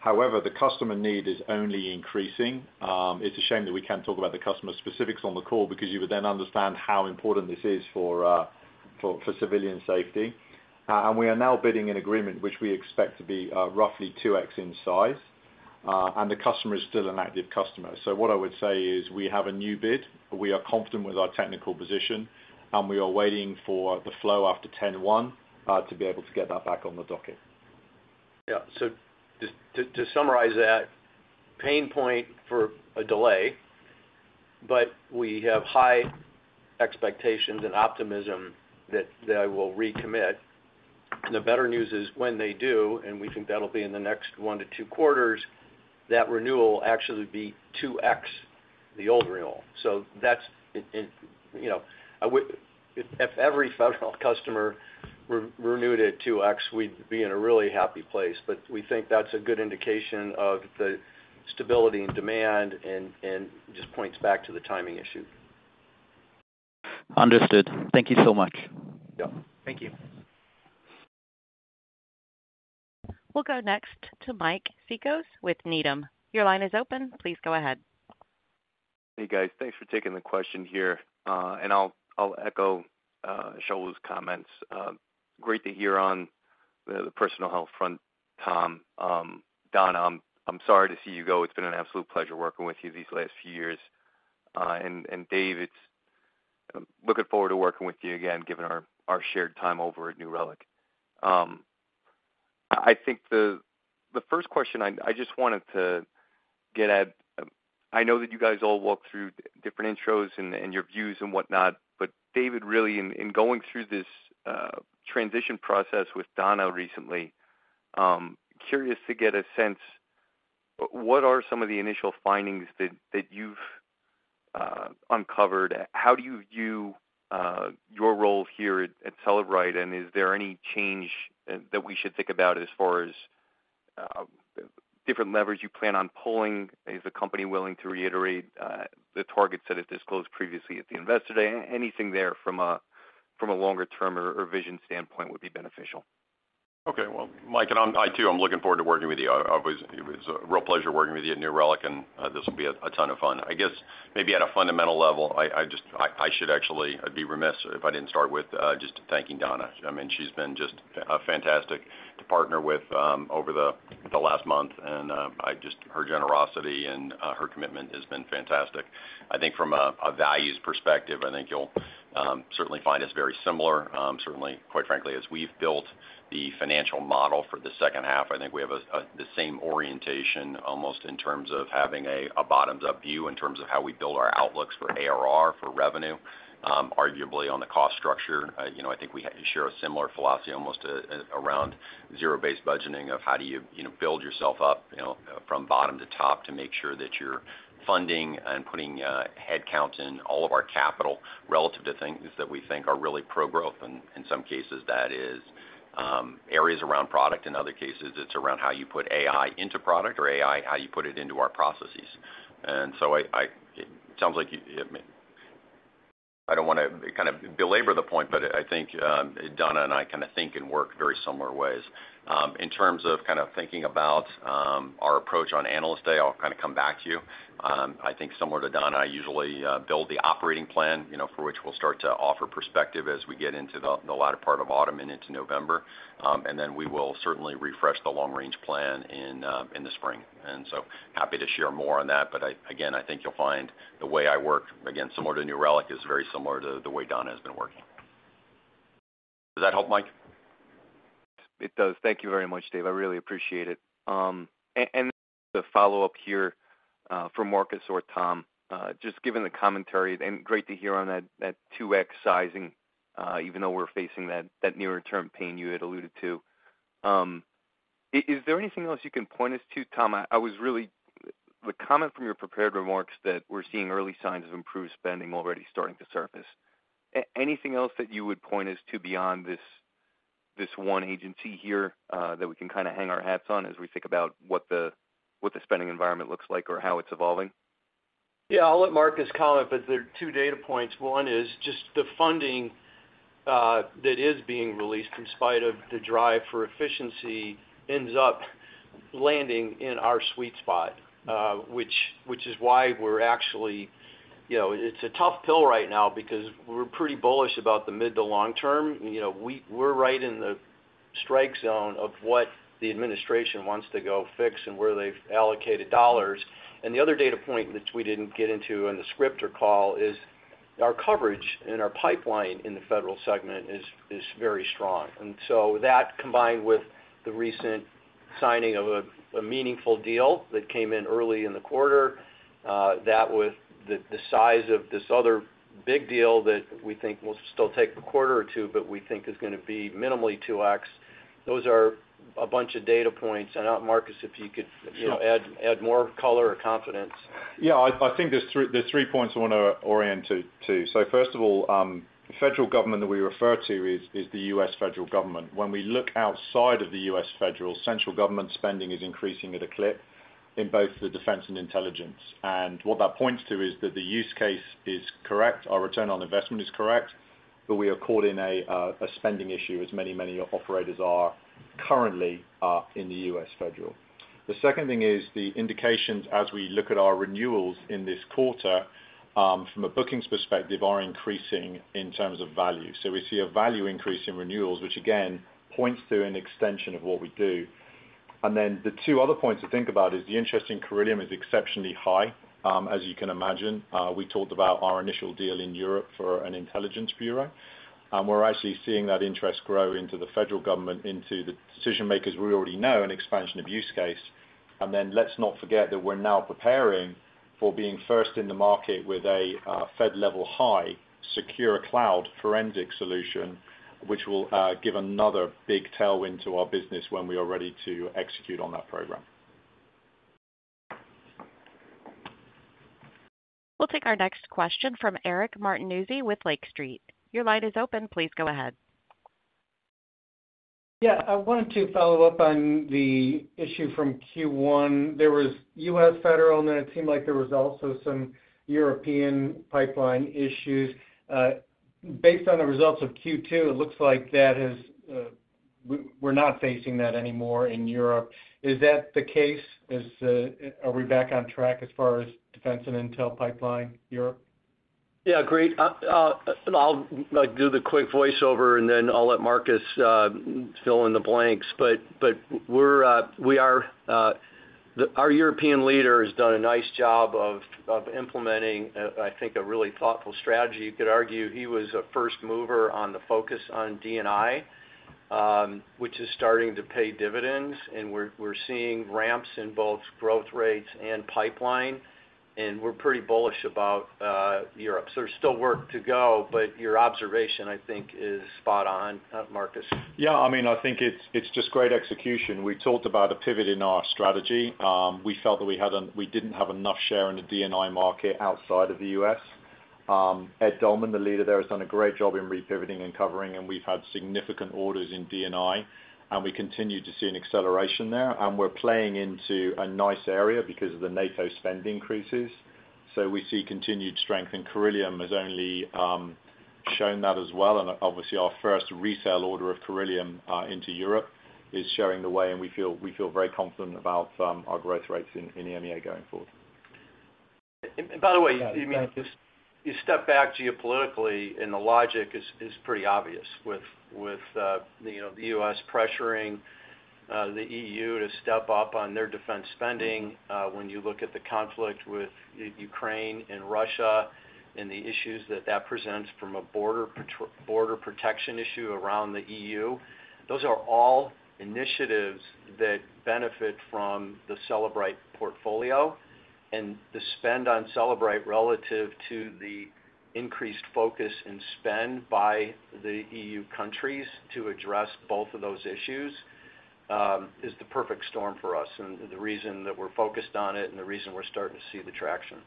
However, the customer need is only increasing. It's a shame that we can't talk about the customer specifics on the call because you would then understand how important this is for civilian safety. We are now bidding an agreement which we expect to be roughly 2x in size. The customer is still an active customer. What I would say is we have a new bid. We are confident with our technical position, and we are waiting for the flow after 10/1 to be able to get that back on the docket. Yeah. To summarize that, pain point for a delay, but we have high expectations and optimism that they will recommit. The better news is when they do, and we think that'll be in the next one to two quarters, that renewal will actually be 2x the old renewal. If every federal customer renewed at 2x, we'd be in a really happy place. We think that's a good indication of the stability in demand and just points back to the timing issue. Understood. Thank you so much. We'll go next to Michael Joseph Cikos with Needham. Your line is open. Please go ahead. Hey, guys. Thanks for taking the question here. I'll echo Shaul's comments. Great to hear on the personal health front, Tom. Dana, I'm sorry to see you go. It's been an absolute pleasure working with you these last few years. Dave, looking forward to working with you again, given our shared time over at New Relic. I think the first question I just wanted to get at, I know that you guys all walk through different intros and your views and whatnot, but David, really, in going through this transition process with Dana recently, curious to get a sense, what are some of the initial findings that you've uncovered? How do you view your role here at Cellebrite? Is there any change that we should think about as far as different levers you plan on pulling? Is the company willing to reiterate the targets that it disclosed previously at the investor day? Anything there from a longer term or vision standpoint would be beneficial. Okay. Mike, I too, I'm looking forward to working with you. It was a real pleasure working with you at New Relic, and this will be a ton of fun. I guess maybe at a fundamental level, I should actually be remiss if I didn't start with just thanking Dana. I mean, she's been just fantastic to partner with over the last month, and her generosity and her commitment has been fantastic. I think from a values perspective, I think you'll certainly find us very similar. Quite frankly, as we've built the financial model for the second half, I think we have the same orientation almost in terms of having a bottoms-up view in terms of how we build our outlooks for ARR, for revenue, arguably on the cost structure. I think we share a similar philosophy almost around zero-based budgeting of how do you build yourself up from bottom to top to make sure that you're funding and putting headcount in all of our capital relative to things that we think are really pro-growth. In some cases, that is areas around product. In other cases, it's around how you put AI into product or AI, how you put it into our processes. It sounds like I don't want to kind of belabor the point, but I think Dana and I kind of think and work in very similar ways. In terms of kind of thinking about our approach on analyst day, I'll come back to you. I think similar to Dana, I usually build the operating plan, for which we'll start to offer perspective as we get into the latter part of autumn and into November. We will certainly refresh the long-range plan in the spring. Happy to share more on that. Again, I think you'll find the way I work, again, similar to New Relic, is very similar to the way Dana has been working. Does that help, Mike? It does. Thank you very much, Dave. I really appreciate it. The follow-up here for Marcus or Tom, just given the commentary, and great to hear on that 2x sizing, even though we're facing that nearer term pain you had alluded to. Is there anything else you can point us to, Tom? I was really, the comment from your prepared remarks that we're seeing early signs of improved spending already starting to surface. Anything else that you would point us to beyond this one agency here that we can kind of hang our hats on as we think about what the spending environment looks like or how it's evolving? Yeah, I'll let Marcus comment, but there are two data points. One is just the funding that is being released in spite of the drive for efficiency ends up landing in our sweet spot, which is why we're actually, you know, it's a tough pill right now because we're pretty bullish about the mid to long term. We're right in the strike zone of what the administration wants to go fix and where they've allocated dollars. The other data point that we didn't get into in the scripter call is our coverage and our pipeline in the federal segment is very strong. That, combined with the recent signing of a meaningful deal that came in early in the quarter, with the size of this other big deal that we think will still take a quarter or two, but we think is going to be minimally 2x, those are a bunch of data points. Marcus, if you could add more color or confidence. Yeah, I think there's three points I want to orient to. First of all, the federal government that we refer to is the U.S. federal government. When we look outside of the U.S. federal, central government spending is increasing at a clip in both the defense and intelligence. What that points to is that the use case is correct, our return on investment is correct, but we are caught in a spending issue as many, many operators are currently in the U.S. federal. The second thing is the indications, as we look at our renewals in this quarter from a bookings perspective, are increasing in terms of value. We see a value increase in renewals, which again points to an extension of what we do. The two other points to think about are the interest in Corellium is exceptionally high, as you can imagine. We talked about our initial deal in Europe for an intelligence bureau. We're actually seeing that interest grow into the federal government, into the decision makers we already know, an expansion of use case. Let's not forget that we're now preparing for being first in the market with a Fed level high secure cloud forensic solution, which will give another big tailwind to our business when we are ready to execute on that program. We'll take our next question from Eric Martinuzzi with Lake Street. Your line is open. Please go ahead. Yeah, I wanted to follow up on the issue from Q1. There was U.S. federal, and then it seemed like there was also some European pipeline issues. Based on the results of Q2, it looks like that has, we're not facing that anymore in Europe. Is that the case? Are we back on track as far as defense and intel pipeline Europe? Yeah, great. I'll do the quick voiceover, and then I'll let Marcus fill in the blanks. We are, our European leader has done a nice job of implementing, I think, a really thoughtful strategy. You could argue he was a first mover on the focus on DNI, which is starting to pay dividends, and we're seeing ramps in both growth rates and pipeline. We're pretty bullish about Europe. There's still work to go, but your observation, I think, is spot on, Marcus. Yeah, I mean, I think it's just great execution. We talked about a pivot in our strategy. We felt that we didn't have enough share in the DNI market outside of the U.S. Ed Dolman, the leader there, has done a great job in repivoting and covering, and we've had significant orders in DNI. We continue to see an acceleration there. We're playing into a nice area because of the NATO spend increases. We see continued strength, and Corellium has only shown that as well. Obviously, our first resale order of Corellium into Europe is showing the way, and we feel very confident about our growth rates in EMEA going forward. By the way, you step back geopolitically, and the logic is pretty obvious with the U.S. pressuring the EU to step up on their defense spending. When you look at the conflict with Ukraine and Russia and the issues that that presents from a border protection issue around the EU, those are all initiatives that benefit from the Cellebrite portfolio. The spend on Cellebrite relative to the increased focus and spend by the EU countries to address both of those issues is the perfect storm for us and the reason that we're focused on it and the reason we're starting to see the traction.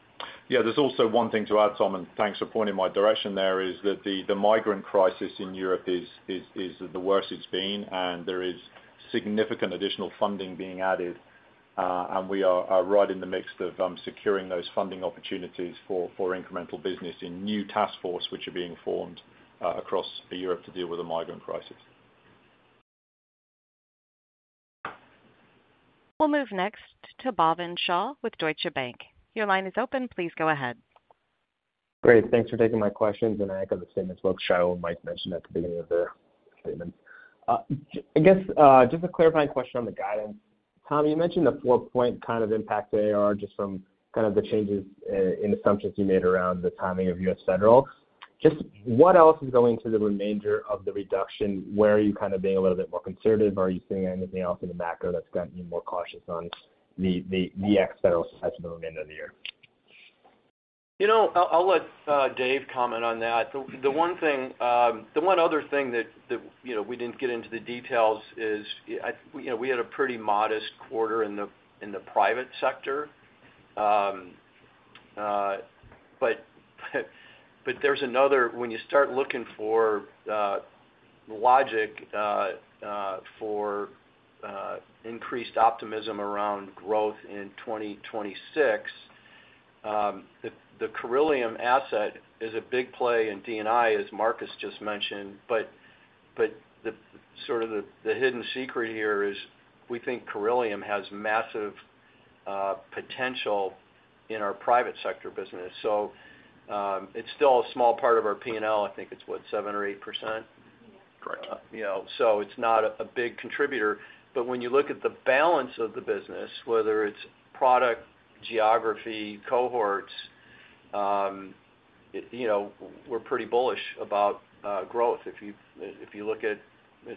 Yeah, there's also one thing to add, Tom, thanks for pointing my direction there. The migrant crisis in Europe is the worst it's been, and there is significant additional funding being added. We are right in the midst of securing those funding opportunities for incremental business in new task forces which are being formed across Europe to deal with the migrant crisis. We'll move next to Bhavin Shah with Deutsche Bank. Your line is open. Please go ahead. Great. Thanks for taking my questions, and I echo the statements both Shaul and Mike mentioned at the beginning of the statement. I guess just a clarifying question on the guidance. Tom, you mentioned the four-point kind of impact there just from the changes in assumptions you made around the timing of U.S. federal. What else is going to the remainder of the reduction? Where are you being a little bit more conservative? Are you seeing anything else in the macro that's gotten you more cautious on the ex-federal side from the end of the year? You know, I'll let Dave comment on that. The one other thing that we didn't get into the details is, you know, we had a pretty modest quarter in the private sector. There's another, when you start looking for the logic for increased optimism around growth in 2026, the Corellium asset is a big play in digital intelligence, as Marcus just mentioned. The sort of the hidden secret here is we think Corellium has massive potential in our private sector business. It's still a small part of our P&L. I think it's what, 7% or 8%? You know, so it's not a big contributor. When you look at the balance of the business, whether it's product, geography, cohorts, you know, we're pretty bullish about growth. If you look at,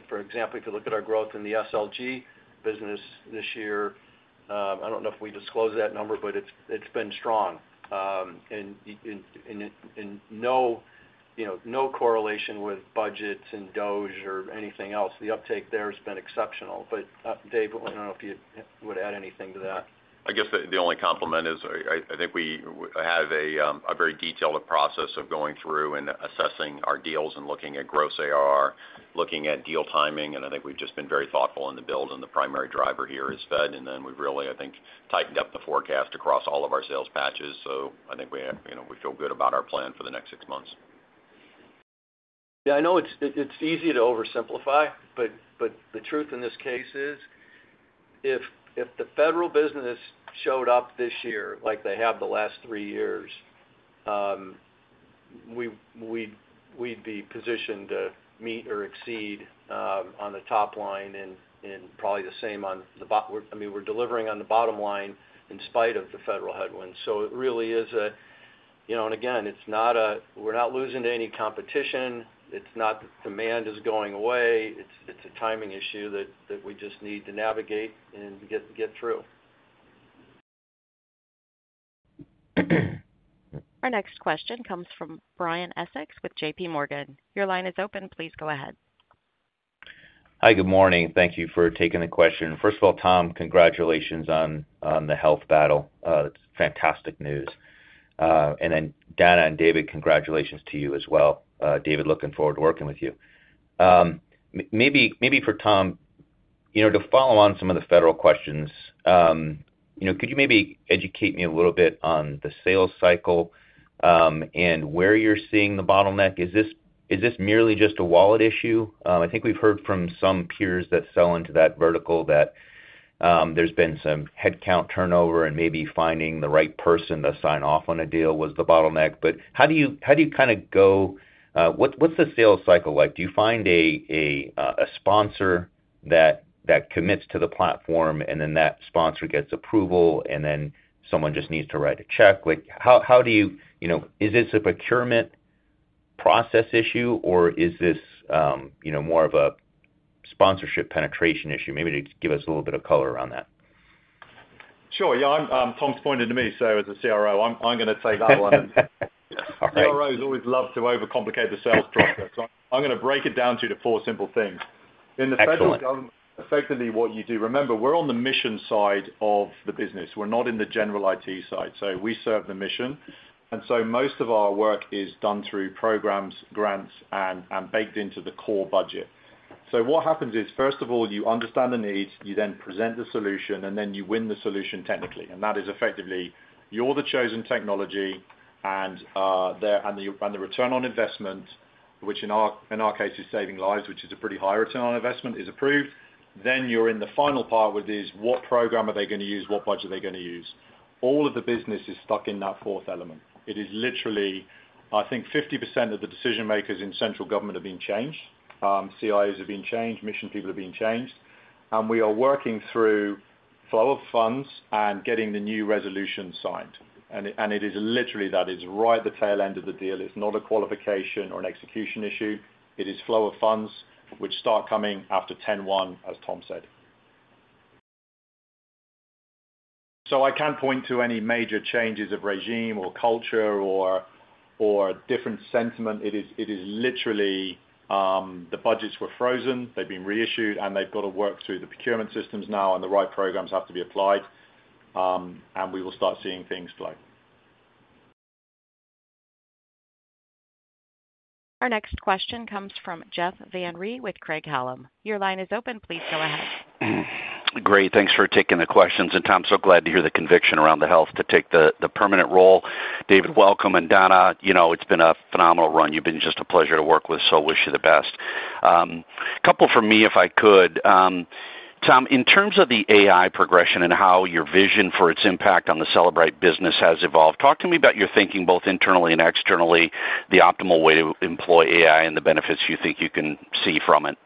for example, our growth in the SLG business this year, I don't know if we disclosed that number, but it's been strong. No correlation with budgets and DOGE or anything else. The uptake there has been exceptional. Dave, I don't know if you would add anything to that. I guess the only compliment is I think we have a very detailed process of going through and assessing our deals and looking at gross ARR, looking at deal timing. I think we've just been very thoughtful in the build, and the primary driver here is Fed. We've really, I think, tightened up the forecast across all of our sales patches. I think we feel good about our plan for the next six months. Yeah, I know it's easy to oversimplify, but the truth in this case is if the federal business showed up this year like they have the last three years, we'd be positioned to meet or exceed on the top line and probably the same on the bottom line. I mean, we're delivering on the bottom line in spite of the federal headwind. It really is a, you know, it's not a, we're not losing to any competition. It's not that demand is going away. It's a timing issue that we just need to navigate and get through. Our next question comes from Brian Essex with JPMorgan. Your line is open. Please go ahead. Hi, good morning. Thank you for taking the question. First of all, Tom, congratulations on the health battle. It's fantastic news. Dana and David, congratulations to you as well. David, looking forward to working with you. Maybe for Tom, to follow on some of the federal questions, could you maybe educate me a little bit on the sales cycle and where you're seeing the bottleneck? Is this merely just a wallet issue? I think we've heard from some peers that sell into that vertical that there's been some headcount turnover and maybe finding the right person to sign off on a deal was the bottleneck. How do you kind of go, what's the sales cycle like? Do you find a sponsor that commits to the platform and then that sponsor gets approval and then someone just needs to write a check? How do you, is this a procurement process issue or is this more of a sponsorship penetration issue? Maybe give us a little bit of color around that. Sure. Yeah, Tom's pointed to me. As a CRO, I'm going to take that one. CROs always love to overcomplicate the sales prospects. I'm going to break it down to the four simple things. In the federal government, effectively what you do, remember, we're on the mission side of the business. We're not in the general IT side. We serve the mission, and most of our work is done through programs, grants, and baked into the core budget. What happens is, first of all, you understand the need, you then present the solution, and then you win the solution technically. That is effectively, you're the chosen technology and the return on investment, which in our case is saving lives, which is a pretty high return on investment, is approved. You're in the final part with this, what program are they going to use, what budget are they going to use? All of the business is stuck in that fourth element. It is literally, I think, 50% of the decision makers in central government are being changed. CIOs are being changed, mission people are being changed. We are working through flow of funds and getting the new resolution signed. It is literally that. It's right at the tail end of the deal. It's not a qualification or an execution issue. It is flow of funds, which start coming after 10/1, as Tom said. I can't point to any major changes of regime or culture or different sentiment. It is literally, the budgets were frozen, they've been reissued, and they've got to work through the procurement systems now and the right programs have to be applied. We will start seeing things flow. Our next question comes from Jeffrey Van Rhee with Craig Hallum. Your line is open. Please go ahead. Great. Thanks for taking the questions. Tom, so glad to hear the conviction around the health to take the permanent role. David, welcome. Dana, it's been a phenomenal run. You've been just a pleasure to work with. I wish you the best. A couple for me, if I could. Tom, in terms of the AI progression and how your vision for its impact on the Cellebrite business has evolved, talk to me about your thinking both internally and externally, the optimal way to employ AI and the benefits you think you can see from it.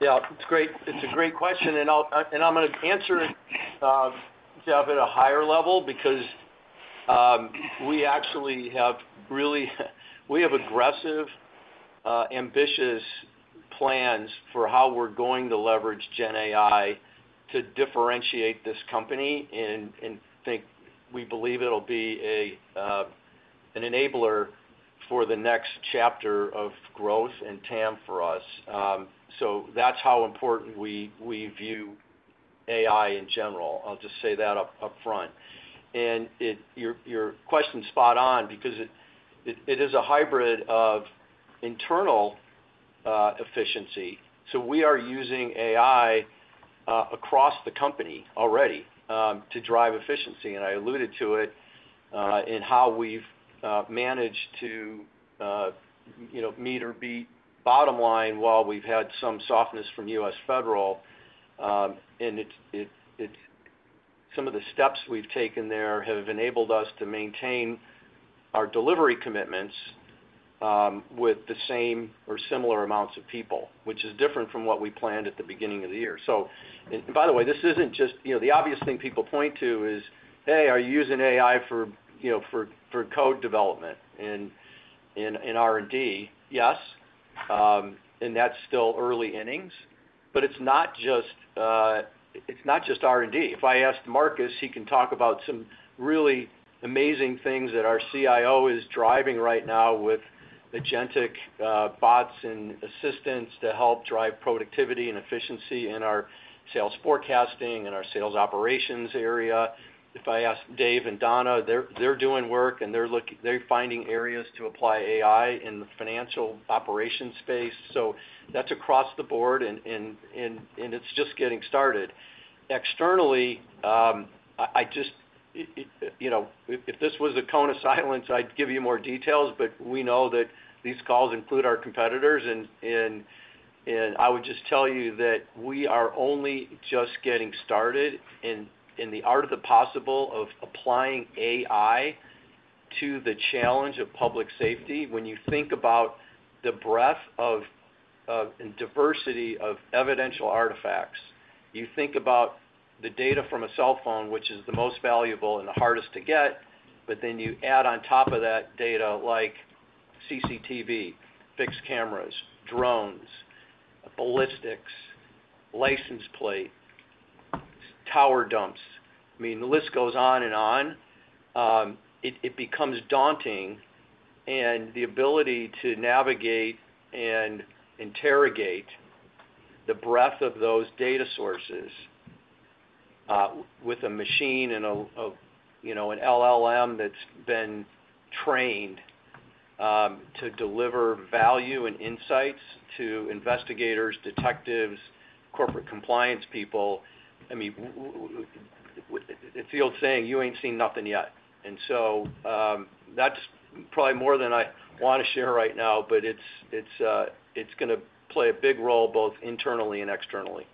Yeah, it's great. It's a great question. I'm going to answer it, Jeff, at a higher level because we actually have really aggressive, ambitious plans for how we're going to leverage GenAI to differentiate this company. I think we believe it'll be an enabler for the next chapter of growth and TAM for us. That's how important we view AI in general. I'll just say that up front. Your question is spot on because it is a hybrid of internal efficiency. We are using AI across the company already to drive efficiency. I alluded to it in how we've managed to meet or beat bottom line while we've had some softness from U.S. federal. Some of the steps we've taken there have enabled us to maintain our delivery commitments with the same or similar amounts of people, which is different from what we planned at the beginning of the year. By the way, this isn't just, you know, the obvious thing people point to is, hey, are you using AI for, you know, for code development and in R&D? Yes. That's still early innings. It's not just R&D. If I asked Marcus, he can talk about some really amazing things that our CIO is driving right now with agentic bots and assistants to help drive productivity and efficiency in our sales forecasting and our sales operations area. If I ask Dave and Dana, they're doing work and they're looking, they're finding areas to apply AI in the financial operations space. That's across the board and it's just getting started. Externally, if this was a cone of silence, I'd give you more details, but we know that these calls include our competitors. I would just tell you that we are only just getting started in the art of the possible of applying AI to the challenge of public safety. When you think about the breadth of and diversity of evidential artifacts, you think about the data from a cell phone, which is the most valuable and the hardest to get, but then you add on top of that data like CCTV, fixed cameras, drones, ballistics, license plate, tower dumps. The list goes on and on. It becomes daunting. The ability to navigate and interrogate the breadth of those data sources with a machine and an LLM that's been trained to deliver value and insights to investigators, detectives, corporate compliance people. It's the old saying, you ain't seen nothing yet. That's probably more than I want to share right now, but it's going to play a big role both internally and externally.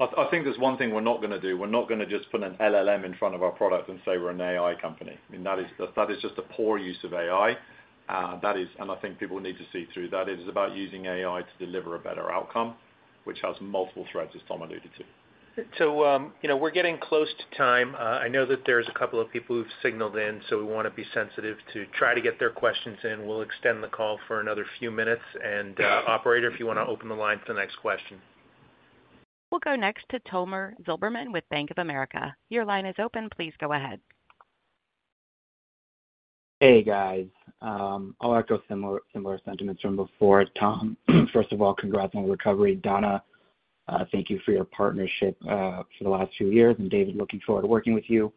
I think there's one thing we're not going to do. We're not going to just put an LLM in front of our product and say we're an AI company. That is just a poor use of AI. I think people need to see through that. It is about using AI to deliver a better outcome, which has multiple threads, as Tom alluded to. We're getting close to time. I know that there's a couple of people who've signaled in, so we want to be sensitive to try to get their questions in. We'll extend the call for another few minutes. Operator, if you want to open the line for the next question. We'll go next to Tomer Zilberman with Bank of America. Your line is open. Please go ahead. Hey, guys. I'll echo similar sentiments from before. Tom, first of all, congrats on the recovery. Dana, thank you for your partnership for the last few years. David, looking forward to working with you.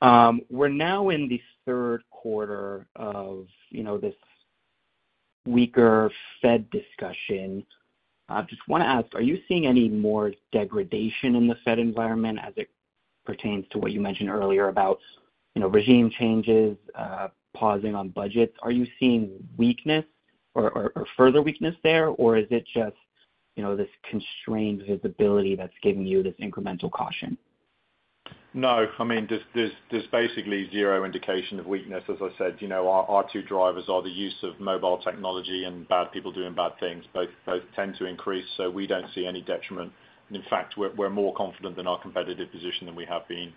We're now in the third quarter of this weaker Fed discussion. I just want to ask, are you seeing any more degradation in the Fed environment as it pertains to what you mentioned earlier about regime changes, pausing on budgets? Are you seeing weakness or further weakness there, or is it just this constrained visibility that's giving you this incremental caution? No. I mean, there's basically zero indication of weakness. As I said, our two drivers are the use of mobile technology and bad people doing bad things. Both tend to increase, so we don't see any detriment. In fact, we're more confident in our competitive position than we have been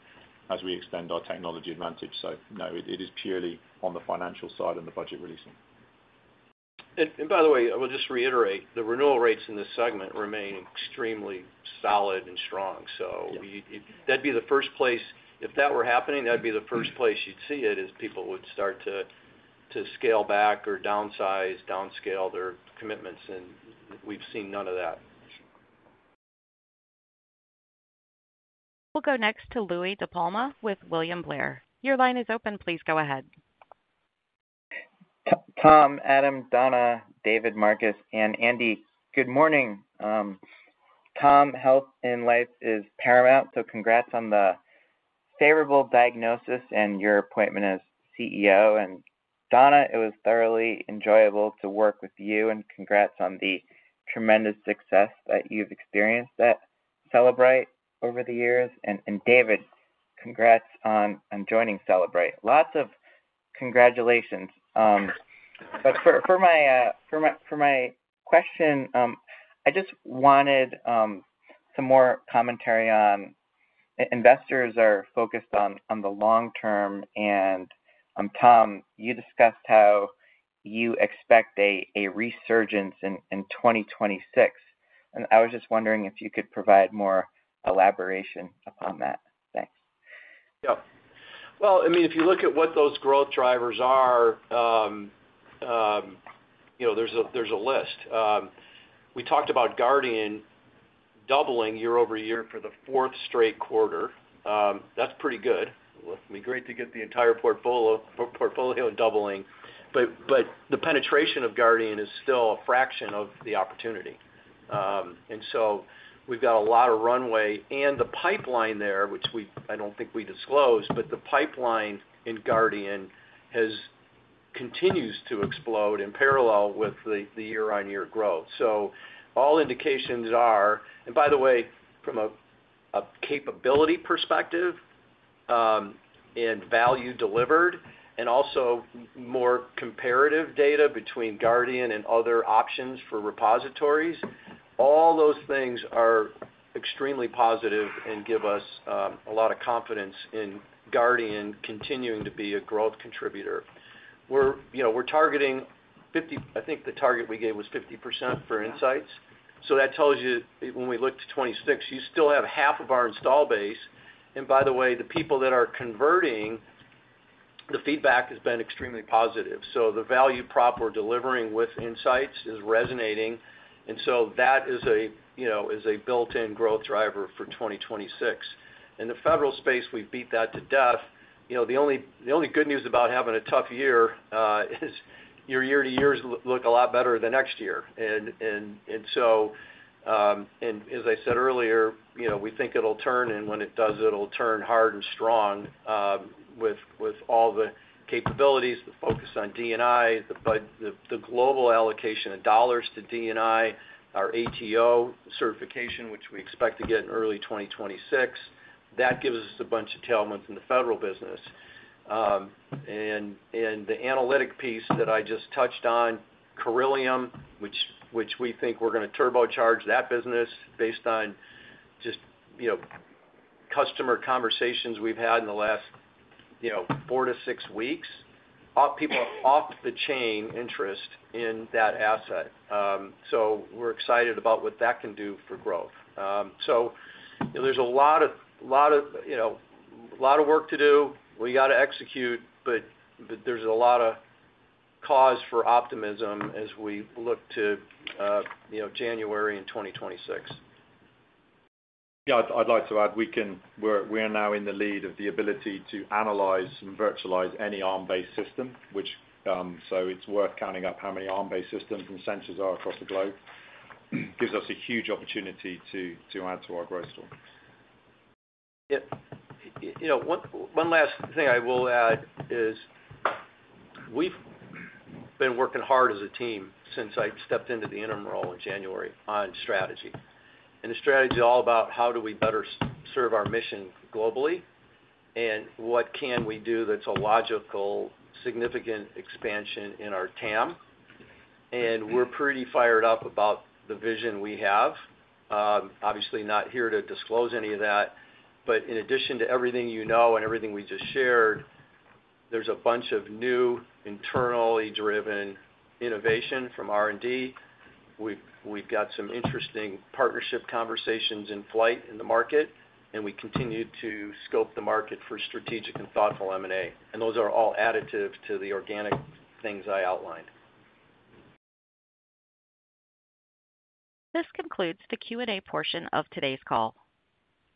as we extend our technology advantage. No, it is purely on the financial side and the budget releasing. I will just reiterate, the renewal rates in this segment remain extremely solid and strong. That would be the first place, if that were happening, that would be the first place you'd see it. People would start to scale back or downsize. Downscale their commitments, and we've seen none of that. We'll go next to Michael Louie DiPalma with William Blair. Your line is open. Please go ahead. Tom, Adam, Dana, David, Marcus, and Andy, good morning. Tom, health in life is paramount, so congrats on the favorable diagnosis and your appointment as CEO. Dana, it was thoroughly enjoyable to work with you, and congrats on the tremendous success that you've experienced at Cellebrite over the years. David, congrats on joining Cellebrite. Lots of congratulations. For my question, I just wanted some more commentary on investors who are focused on the long term. Tom, you discussed how you expect a resurgence in 2026. I was just wondering if you could provide more elaboration upon that. Thanks. Yeah. If you look at what those growth drivers are, you know there's a list. We talked about Guardian doubling year over year for the fourth straight quarter. That's pretty good. It'd be great to get the entire portfolio doubling. The penetration of Guardian is still a fraction of the opportunity, so we've got a lot of runway. The pipeline there, which I don't think we disclosed, but the pipeline in Guardian continues to explode in parallel with the year-on-year growth. All indications are, and by the way, from a capability perspective and value delivered, and also more comparative data between Guardian and other options for repositories, all those things are extremely positive and give us a lot of confidence in Guardian continuing to be a growth contributor. We're targeting 50%, I think the target we gave was 50% for Insights. That tells you when we looked at 2026, you still have half of our install base. By the way, the people that are converting, the feedback has been extremely positive. The value prop we're delivering with Insights is resonating, so that is a built-in growth driver for 2026. In the federal space, we beat that to death. The only good news about having a tough year is your year-to-years look a lot better the next year. As I said earlier, you know, we think it'll turn, and when it does, it'll turn hard and strong with all the capabilities, the focus on D&I, the global allocation of dollars to D&I, our ATO certification, which we expect to get in early 2026. That gives us a bunch of tailwinds in the federal business. The analytic piece that I just touched on, Corellium, which we think we're going to turbocharge that business based on just, you know, customer conversations we've had in the last four to six weeks, people off the chain interest in that asset. We're excited about what that can do for growth. There's a lot of work to do. We got to execute, but there's a lot of cause for optimism as we look to January in 2026. Yeah, I'd like to add we can, we're now in the lead of the ability to analyze and virtualize any ARM-based system, which is worth counting up how many ARM-based systems and sensors are across the globe. It gives us a huge opportunity to add to our growth story. Yep. One last thing I will add is we've been working hard as a team since I stepped into the interim role in January on strategy. The strategy is all about how do we better serve our mission globally and what can we do that's a logical, significant expansion in our TAM. We're pretty fired up about the vision we have. Obviously, not here to disclose any of that. In addition to everything you know and everything we just shared, there's a bunch of new internally driven innovation from R&D. We've got some interesting partnership conversations in flight in the market, and we continue to scope the market for strategic and thoughtful M&A. Those are all additives to the organic things I outlined. This concludes the Q&A portion of today's call.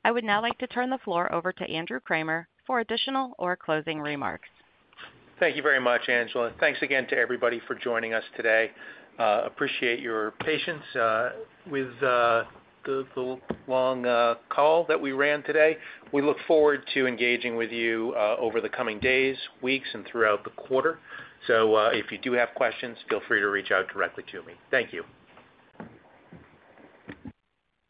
I would now like to turn the floor over to Andrew Kramer for additional or closing remarks. Thank you very much, Angela. Thanks again to everybody for joining us today. Appreciate your patience with the long call that we ran today. We look forward to engaging with you over the coming days, weeks, and throughout the quarter. If you do have questions, feel free to reach out directly to me. Thank you.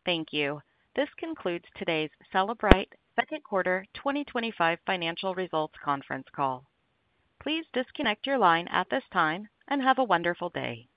Thank you. This concludes today's Cellebrite second quarter 2025 financial results conference call. Please disconnect your line at this time and have a wonderful day.